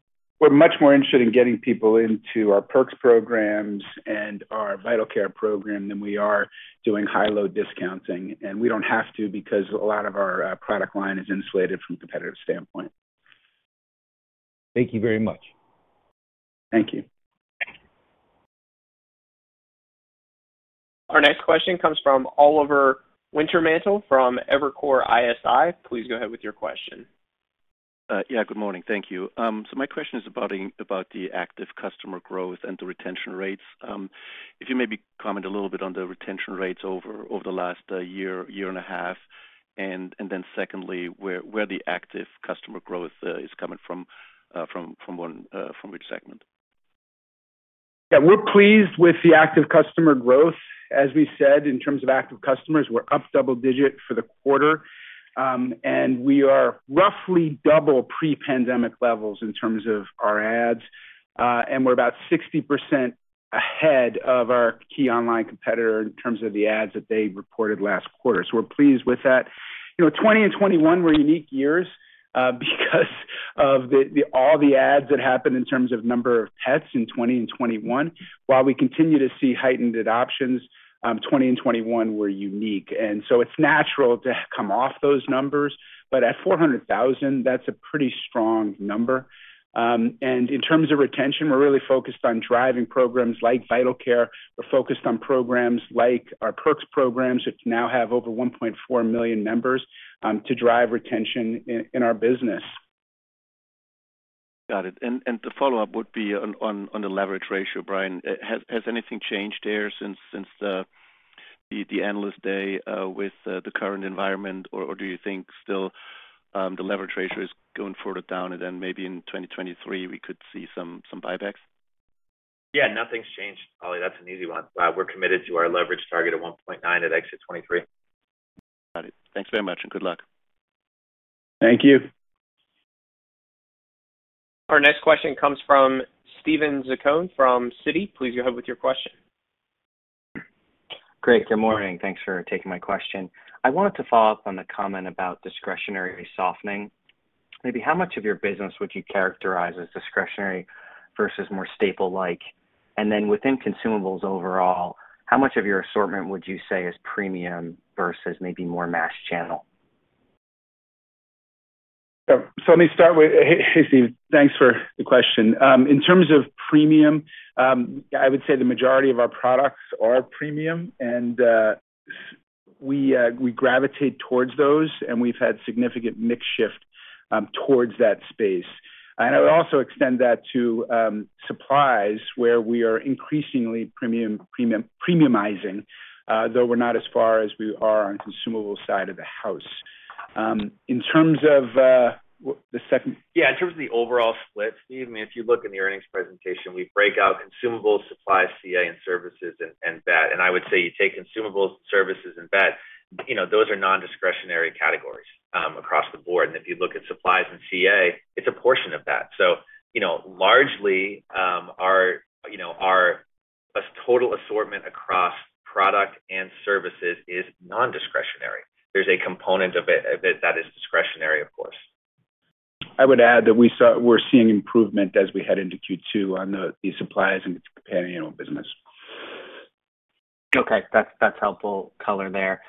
We're much more interested in getting people into our perks programs and our Vital Care program than we are doing high-low discounting. We don't have to because a lot of our product line is insulated from a competitive standpoint. Thank you very much. Thank you. Thank you. Our next question comes from Oliver Wintermantel from Evercore ISI. Please go ahead with your question. Yeah, good morning. Thank you. My question is about the active customer growth and the retention rates. If you maybe comment a little bit on the retention rates over the last year and a half. Secondly, where the active customer growth is coming from which segment. Yeah. We're pleased with the active customer growth. As we said, in terms of active customers, we're up double-digit for the quarter. We are roughly double pre-pandemic levels in terms of our adoptions. We're about 60% ahead of our key online competitor in terms of the adoptions that they reported last quarter. We're pleased with that. You know, 2020 and 2021 were unique years, because of all the adoptions that happened in terms of number of pets in 2020 and 2021. While we continue to see heightened adoptions, 2020 and 2021 were unique, and it's natural to come off those numbers. At 400,000, that's a pretty strong number. In terms of retention, we're really focused on driving programs like Vital Care. We're focused on programs like our perks programs, which now have over 1.4 million members, to drive retention in our business. Got it. The follow-up would be on the leverage ratio, Brian. Has anything changed there since the Analyst Day with the current environment? Do you think still the leverage ratio is going further down and then maybe in 2023 we could see some buybacks? Yeah, nothing's changed, Ollie. That's an easy one. We're committed to our leverage target of 1.9 at exit 2023. Got it. Thanks very much and good luck. Thank you. Our next question comes from Steven Zaccone from Citi. Please go ahead with your question. Great. Good morning. Thanks for taking my question. I wanted to follow up on the comment about discretionary softening. Maybe how much of your business would you characterize as discretionary versus more staple-like? And then within consumables overall, how much of your assortment would you say is premium versus maybe more mass channel? Let me start with. Hey, Steve. Thanks for the question. In terms of premium, I would say the majority of our products are premium, and we gravitate towards those, and we've had significant mix shift towards that space. I would also extend that to supplies, where we are increasingly premiumizing, though we're not as far as we are on consumable side of the house. In terms of the second- Yeah. In terms of the overall split, Steve, I mean, if you look in the earnings presentation, we break out consumables, supplies, CA, and services and vet. I would say you take consumables, services and vet, you know, those are non-discretionary categories across the board. If you look at supplies and CA, it's a portion of that. You know, largely, our total assortment across product and services is non-discretionary. There's a component of it that is discretionary, of course. I would add that we're seeing improvement as we head into Q2 on the supplies and its companion animal business. Okay. That's helpful color there.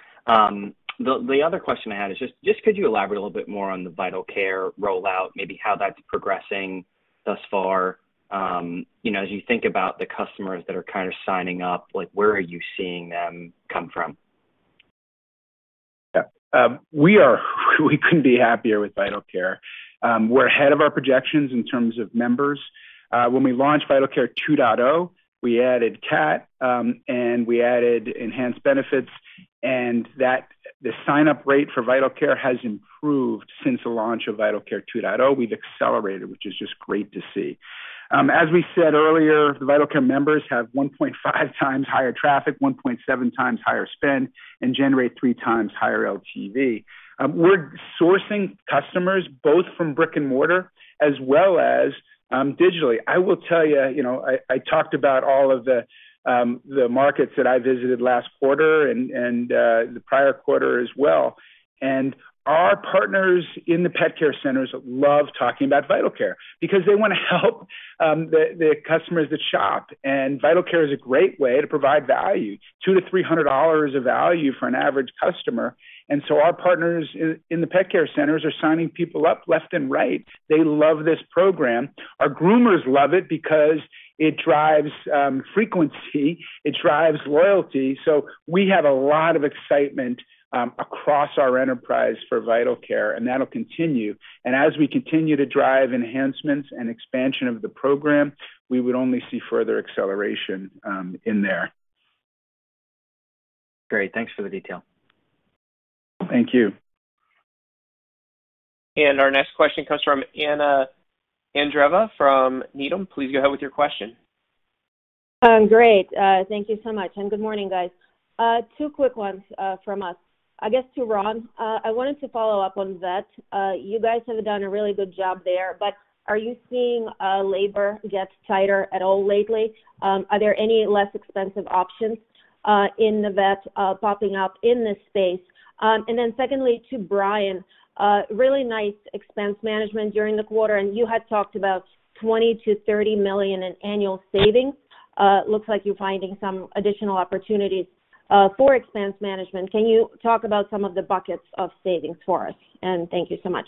The other question I had is just could you elaborate a little bit more on the Vital Care rollout, maybe how that's progressing thus far? You know, as you think about the customers that are kind of signing up, like, where are you seeing them come from? Yeah. We couldn't be happier with Vital Care. We're ahead of our projections in terms of members. When we launched Vital Care 2.0, we added cat, and we added enhanced benefits, and that the sign-up rate for Vital Care has improved since the launch of Vital Care 2.0. We've accelerated, which is just great to see. As we said earlier, the Vital Care members have 1.5x higher traffic, 1.7x higher spend, and generate 3x higher LTV. We're sourcing customers both from brick-and-mortar as well as digitally. I will tell you know, I talked about all of the markets that I visited last quarter and the prior quarter as well. Our partners in the pet care centers love talking about Vital Care because they wanna help the customers that shop. Vital Care is a great way to provide value, $200 to $300 of value for an average customer. Our partners in the pet care centers are signing people up left and right. They love this program. Our groomers love it because it drives frequency, it drives loyalty. We have a lot of excitement across our enterprise for Vital Care, and that'll continue. As we continue to drive enhancements and expansion of the program, we would only see further acceleration in there. Great. Thanks for the detail. Thank you. Our next question comes from Anna Andreeva from Needham. Please go ahead with your question. Great. Thank you so much, and good morning, guys. Two quick ones from us. I guess to Ron, I wanted to follow up on vet. You guys have done a really good job there, but are you seeing labor get tighter at all lately? Are there any less expensive options in the vet popping up in this space? Then secondly, to Brian, really nice expense management during the quarter, and you had talked about $20 million to $30 million in annual savings. Looks like you're finding some additional opportunities for expense management. Can you talk about some of the buckets of savings for us? Thank you so much.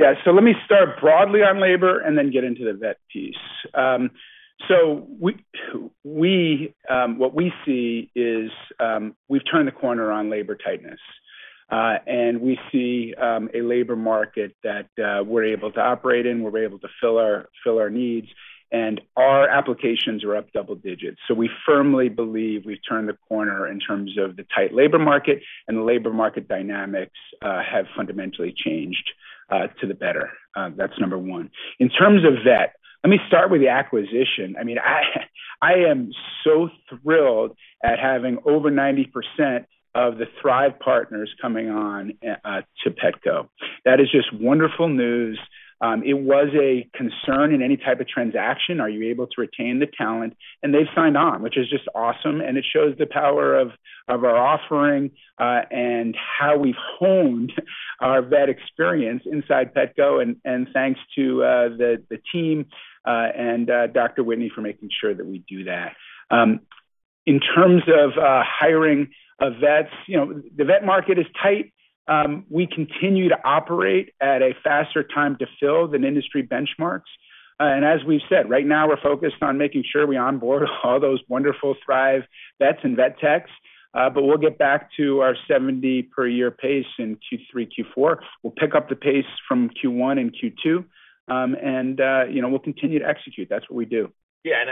Let me start broadly on labor and then get into the vet piece. We see we've turned the corner on labor tightness, and we see a labor market that we're able to operate in. We're able to fill our needs, and our applications are up double digits. We firmly believe we've turned the corner in terms of the tight labor market, and the labor market dynamics have fundamentally changed to the better. That's number one. In terms of vet, let me start with the acquisition. I mean, I am so thrilled at having over 90% of the Thrive partners coming on to Petco. That is just wonderful news. It was a concern in any type of transaction, are you able to retain the talent? They've signed on, which is just awesome, and it shows the power of our offering, and how we've honed our vet experience inside Petco. Thanks to the team and Dr. Whitney for making sure that we do that. In terms of hiring of vets, you know, the vet market is tight. We continue to operate at a faster time to fill than industry benchmarks. As we've said, right now we're focused on making sure we onboard all those wonderful Thrive vets and vet techs, but we'll get back to our 70 per year pace in Q3, Q4. We'll pick up the pace from Q1 and Q2, you know, we'll continue to execute. That's what we do. Yeah.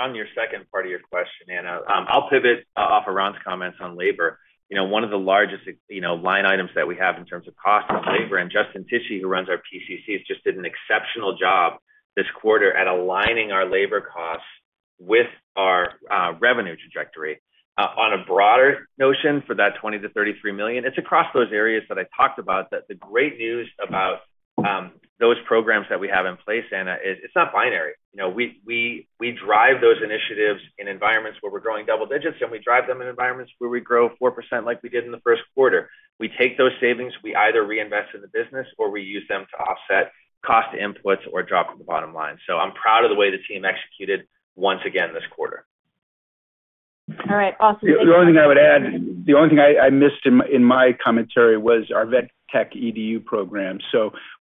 On your second part of your question, Anna, I'll pivot off of Ron's comments on labor. You know, one of the largest line items that we have in terms of cost is labor. Justin Tichy, who runs our PCC, has just did an exceptional job this quarter at aligning our labor costs with our revenue trajectory. On a broader notion for that $20 million to $30 million, it's across those areas that I talked about that the great news about those programs that we have in place, Anna, is it's not binary. You know, we drive those initiatives in environments where we're growing double digits, and we drive them in environments where we grow 4% like we did in the Q1. We take those savings, we either reinvest in the business or we use them to offset cost inputs or drop to the bottom line. I'm proud of the way the team executed once again this quarter. All right. Awesome. The only thing I would add, the only thing I missed in my commentary was our vet tech EDU program.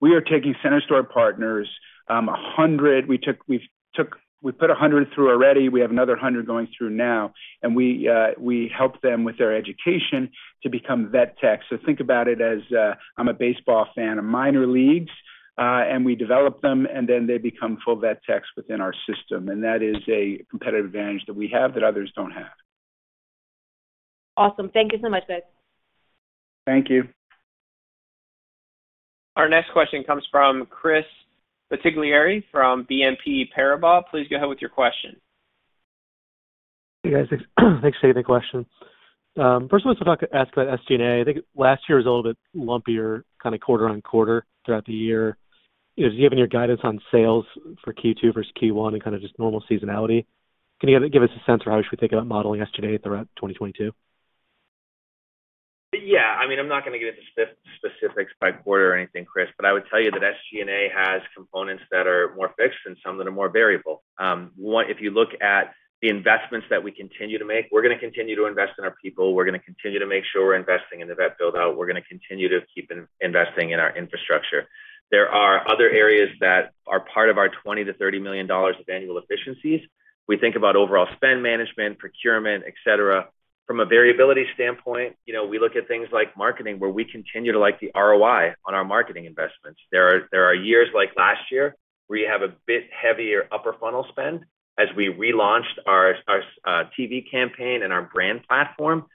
We are taking center store partners, 100. We've put 100 through already. We have another 100 going through now. We help them with their education to become vet techs. Think about it as, I'm a baseball fan, the minor leagues, and we develop them, and then they become full vet techs within our system. That is a competitive advantage that we have that others don't have. Awesome. Thank you so much, guys. Thank you. Our next question comes from Chris Bottiglieri from BNP Paribas. Please go ahead with your question. Hey, guys. Thanks for taking the question. First I want to ask about SG&A. I think last year was a little bit lumpier kind of quarter-over-quarter throughout the year. Given your guidance on sales for Q2 versus Q1 and kind of just normal seasonality, can you give us a sense for how we should think about modeling SG&A throughout 2022? Yeah. I mean, I'm not gonna get into specifics by quarter or anything, Chris, but I would tell you that SG&A has components that are more fixed and some that are more variable. One, if you look at the investments that we continue to make, we're gonna continue to invest in our people, we're gonna continue to make sure we're investing in the vet build-out. We're gonna continue to keep investing in our infrastructure. There are other areas that are part of our $20 million to $30 million of annual efficiencies. We think about overall spend management, procurement, et cetera. From a variability standpoint, you know, we look at things like marketing, where we continue to like the ROI on our marketing investments. There are years like last year, where you have a bit heavier upper funnel spend as we relaunched our TV campaign and our brand platform.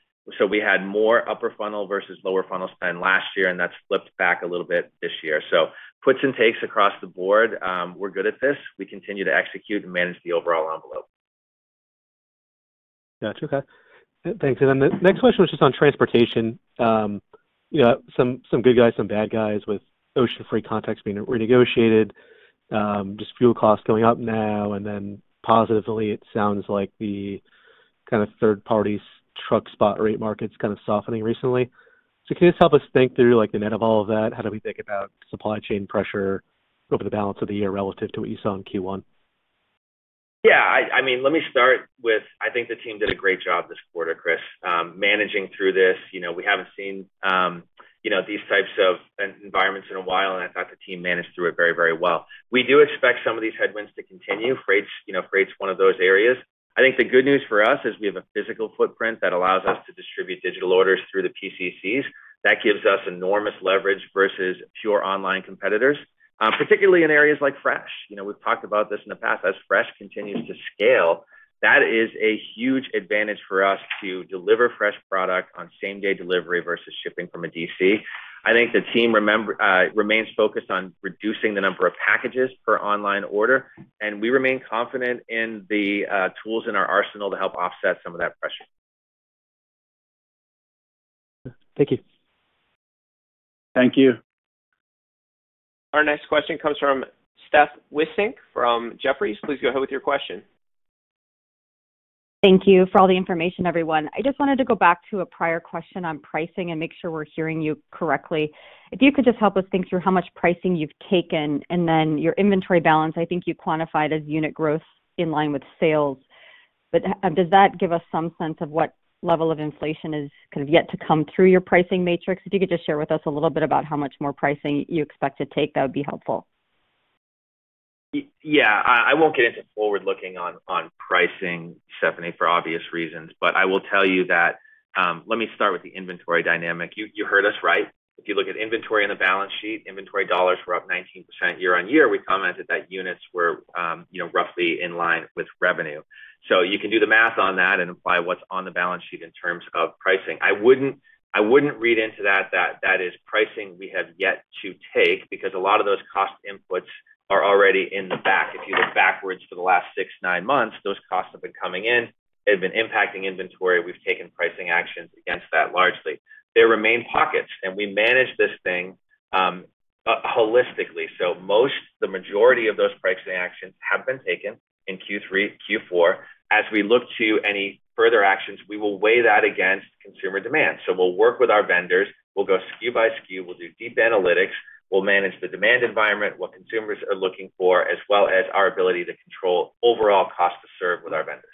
We had more upper funnel versus lower funnel spend last year, and that's flipped back a little bit this year. Puts and takes across the board. We're good at this. We continue to execute and manage the overall envelope. Got you. Okay. Thanks. The next question was just on transportation. You know, some good guys, some bad guys with ocean freight contracts being renegotiated. Just fuel costs going up now and then positively it sounds like the kind of third-party truck spot rate market's kind of softening recently. Can you just help us think through, like, the net of all of that? How do we think about supply chain pressure over the balance of the year relative to what you saw in Q1? Yeah, I mean, let me start with I think the team did a great job this quarter, Chris, managing through this. You know, we haven't seen, you know, these types of environments in a while, and I thought the team managed through it very, very well. We do expect some of these headwinds to continue. Freight's, you know, one of those areas. I think the good news for us is we have a physical footprint that allows us to distribute digital orders through the PCCs. That gives us enormous leverage versus pure online competitors, particularly in areas like fresh. You know, we've talked about this in the past. As fresh continues to scale, that is a huge advantage for us to deliver fresh product on same-day delivery versus shipping from a DC. I think the team remains focused on reducing the number of packages per online order, and we remain confident in the tools in our arsenal to help offset some of that pressure. Thank you. Thank you. Our next question comes from Stephanie Wissink from Jefferies. Please go ahead with your question. Thank you for all the information, everyone. I just wanted to go back to a prior question on pricing and make sure we're hearing you correctly. If you could just help us think through how much pricing you've taken and then your inventory balance, I think you quantified as unit growth in line with sales. Does that give us some sense of what level of inflation is kind of yet to come through your pricing matrix? If you could just share with us a little bit about how much more pricing you expect to take, that would be helpful. Yeah. I won't get into forward-looking on pricing, Stephanie, for obvious reasons, but I will tell you that, let me start with the inventory dynamic. You heard us right. If you look at inventory on the balance sheet, inventory dollars were up 19% year-over-year. We commented that units were, you know, roughly in line with revenue. So you can do the math on that and apply what's on the balance sheet in terms of pricing. I wouldn't read into that that is pricing we have yet to take because a lot of those cost inputs are already in the bag. If you look backwards for the last six, nine months, those costs have been coming in. They've been impacting inventory. We've taken pricing actions against that largely. There remain pockets, and we manage this thing holistically. The majority of those pricing actions have been taken in Q3, Q4. As we look to any further actions, we will weigh that against consumer demand. We'll work with our vendors, we'll go SKU by SKU, we'll do deep analytics, we'll manage the demand environment, what consumers are looking for, as well as our ability to control overall cost to serve with our vendors.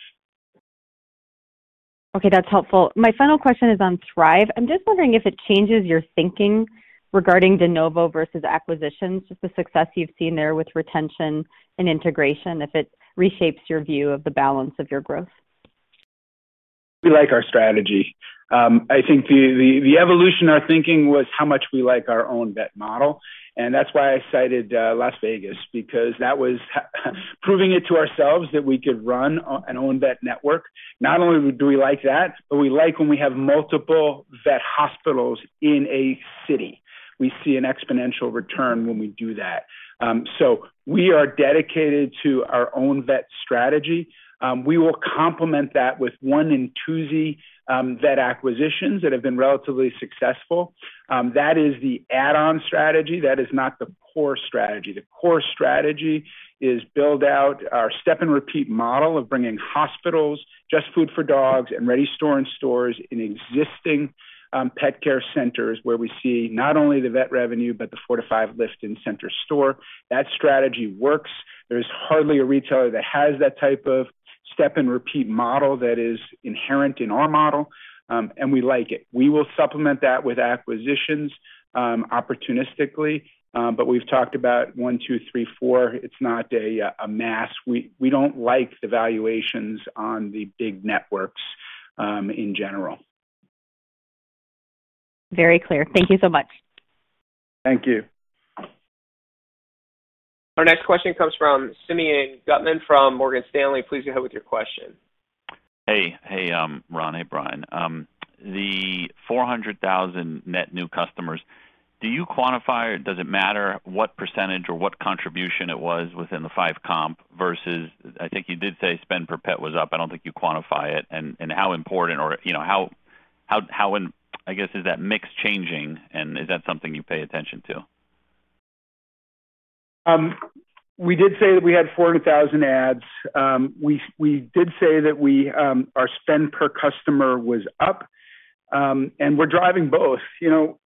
Okay. That's helpful. My final question is on Thrive. I'm just wondering if it changes your thinking regarding de novo versus acquisitions, just the success you've seen there with retention and integration, if it reshapes your view of the balance of your growth? We like our strategy. I think the evolution of our thinking was how much we like our own vet model, and that's why I cited Las Vegas because that was proving it to ourselves that we could run our own vet network. Not only do we like that, but we like when we have multiple vet hospitals in a city. We see an exponential return when we do that. We are dedicated to our own vet strategy. We will complement that with onesies and twosies vet acquisitions that have been relatively successful. That is the add-on strategy. That is not the core strategy. The core strategy is build out our step-and-repeat model of bringing hospitals, JustFoodForDogs, and Reddy store in stores in existing pet care centers where we see not only the vet revenue but the 4 to 5 lift in center store. That strategy works. There's hardly a retailer that has that type of step-and-repeat model that is inherent in our model, and we like it. We will supplement that with acquisitions opportunistically. We've talked about 1, 2, 3, 4. It's not a mass. We don't like the valuations on the big networks in general. Very clear. Thank you so much. Thank you. Our next question comes from Simeon Gutman from Morgan Stanley. Please go ahead with your question. Hey. Hey, Ron. Hey, Brian. The 400,000 net new customers, do you quantify or does it matter what percentage or what contribution it was within the 5 comp versus I think you did say spend per pet was up? I don't think you quantify it. How important or, you know, how and I guess is that mix changing and is that something you pay attention to? We did say that we had 40,000 adds. We did say that our spend per customer was up, and we're driving both. You know,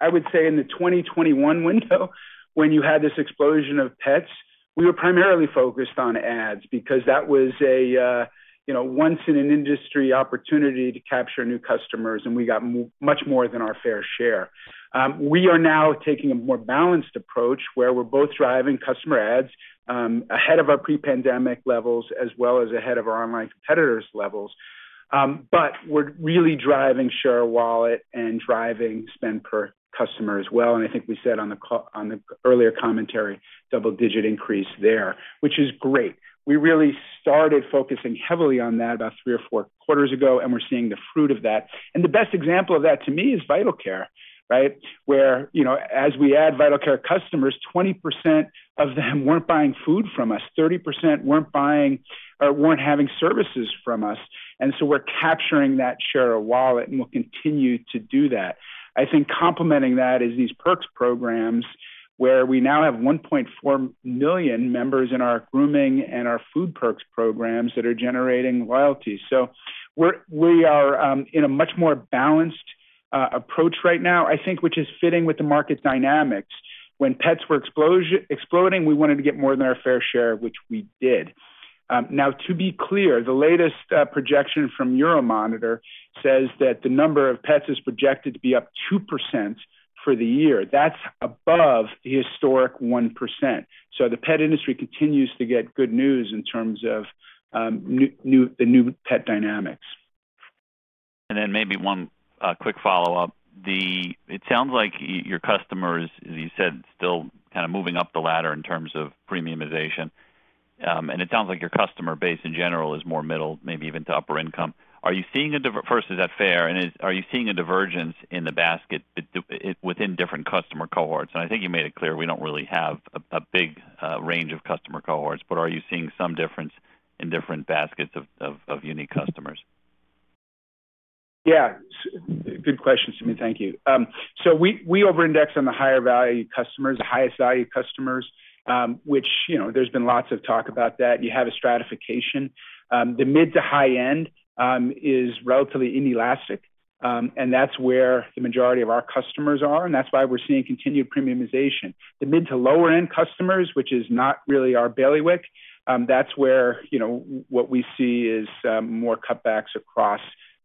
I would say in the 2021 window when you had this explosion of pets, we were primarily focused on adds because that was a, you know, once in an industry opportunity to capture new customers, and we got much more than our fair share. We are now taking a more balanced approach where we're both driving customer adds ahead of our pre-pandemic levels as well as ahead of our online competitors' levels. We're really driving share of wallet and driving spend per customer as well, and I think we said on the earlier commentary, double-digit increase there, which is great. We really started focusing heavily on that about three or four quarters ago, and we're seeing the fruit of that. The best example of that to me is Vital Care, right? Where, you know, as we add Vital Care customers, 20% of them weren't buying food from us, 30% weren't buying or weren't having services from us. We're capturing that share of wallet, and we'll continue to do that. I think complementing that is these perks programs where we now have 1.4 million members in our grooming and our food perks programs that are generating loyalty. We are in a much more balanced approach right now, I think, which is fitting with the market dynamics. When pets were exploding, we wanted to get more than our fair share, which we did. Now to be clear, the latest projection from Euromonitor says that the number of pets is projected to be up 2% for the year. That's above the historic 1%. The pet industry continues to get good news in terms of the new pet dynamics. Maybe one quick follow-up. It sounds like your customers, as you said, still kind of moving up the ladder in terms of premiumization. It sounds like your customer base in general is more middle, maybe even to upper income. First, is that fair? Are you seeing a divergence in the basket within different customer cohorts? I think you made it clear we don't really have a big range of customer cohorts, but are you seeing some difference in different baskets of unique customers? Yeah. Good question, Simeon. Thank you. We over-index on the higher value customers, the highest value customers, which, you know, there's been lots of talk about that. You have a stratification. The mid to high end is relatively inelastic, and that's where the majority of our customers are, and that's why we're seeing continued premiumization. The mid to lower end customers, which is not really our bailiwick, that's where, you know, what we see is, more cutbacks across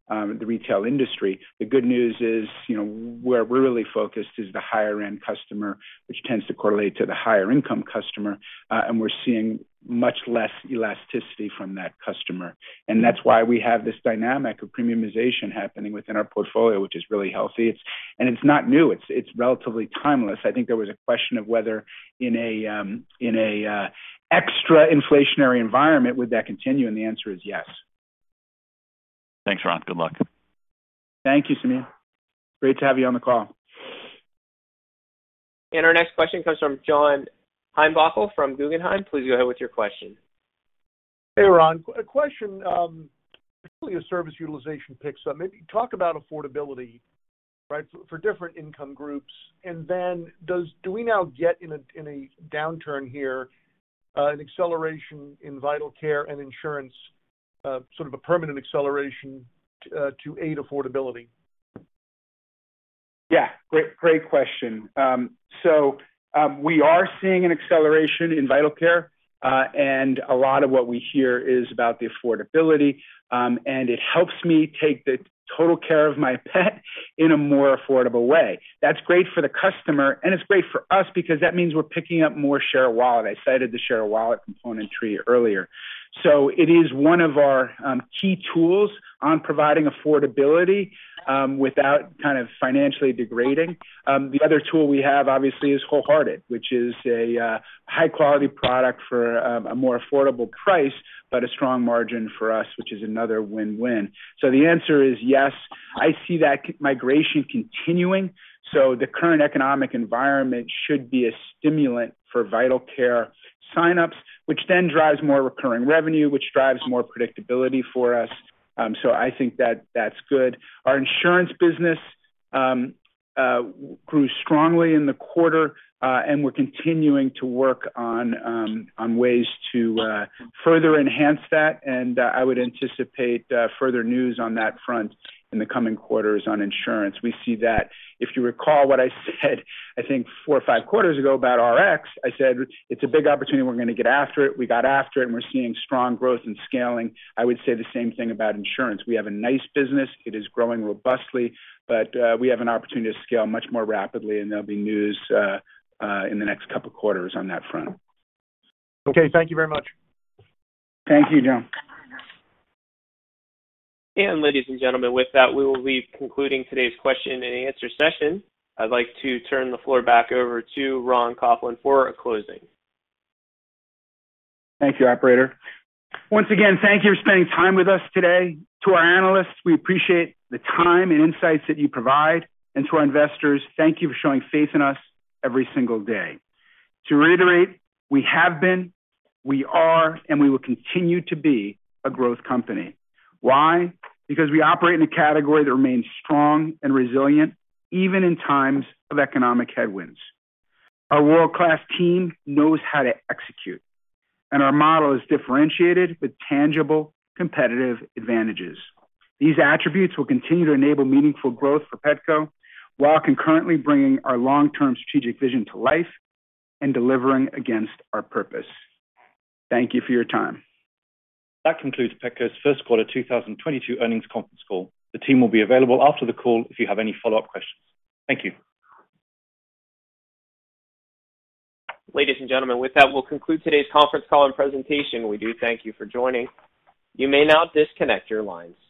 the retail industry. The good news is, you know, where we're really focused is the higher end customer, which tends to correlate to the higher income customer, and we're seeing much less elasticity from that customer. That's why we have this dynamic of premiumization happening within our portfolio, which is really healthy. It's not new. It's relatively timeless. I think there was a question of whether in a extra-inflationary environment would that continue, and the answer is yes. Thanks, Ron. Good luck. Thank you, Simeon. Great to have you on the call. Our next question comes from John Heinbockel from Guggenheim. Please go ahead with your question. Hey, Ron. A question, hopefully as service utilization picks up, maybe talk about affordability, right, for different income groups. Do we now get in a downturn here an acceleration in Vital Care and insurance, sort of a permanent acceleration to aid affordability? Yeah. Great question. We are seeing an acceleration in Vital Care, and a lot of what we hear is about the affordability, and it helps me take the total care of my pet in a more affordable way. That's great for the customer, and it's great for us because that means we're picking up more share of wallet. I cited the share of wallet component to you earlier. It is one of our key tools on providing affordability, without kind of financially degrading. The other tool we have obviously is WholeHearted, which is a high quality product for a more affordable price, but a strong margin for us, which is another win-win. The answer is yes. I see that migration continuing, so the current economic environment should be a stimulant for Vital Care sign-ups, which then drives more recurring revenue, which drives more predictability for us. I think that that's good. Our insurance business grew strongly in the quarter, and we're continuing to work on ways to further enhance that, and I would anticipate further news on that front in the coming quarters on insurance. We see that. If you recall what I said, I think four or five quarters ago about Rx, I said, "It's a big opportunity. We're gonna get after it." We got after it, and we're seeing strong growth and scaling. I would say the same thing about insurance. We have a nice business. It is growing robustly, but we have an opportunity to scale much more rapidly, and there'll be news in the next couple quarters on that front. Okay. Thank you very much. Thank you, John. Ladies and gentlemen, with that, we will be concluding today's question and answer session. I'd like to turn the floor back over to Ron Coughlin for a closing. Thank you, operator. Once again, thank you for spending time with us today. To our analysts, we appreciate the time and insights that you provide. To our investors, thank you for showing faith in us every single day. To reiterate, we have been, we are, and we will continue to be a growth company. Why? Because we operate in a category that remains strong and resilient, even in times of economic headwinds. Our world-class team knows how to execute, and our model is differentiated with tangible, competitive advantages. These attributes will continue to enable meaningful growth for Petco while concurrently bringing our long-term strategic vision to life and delivering against our purpose. Thank you for your time. That concludes Petco's Q1 2022 earnings conference call. The team will be available after the call if you have any follow-up questions. Thank you. Ladies and gentlemen, with that, we'll conclude today's conference call and presentation. We do thank you for joining. You may now disconnect your lines.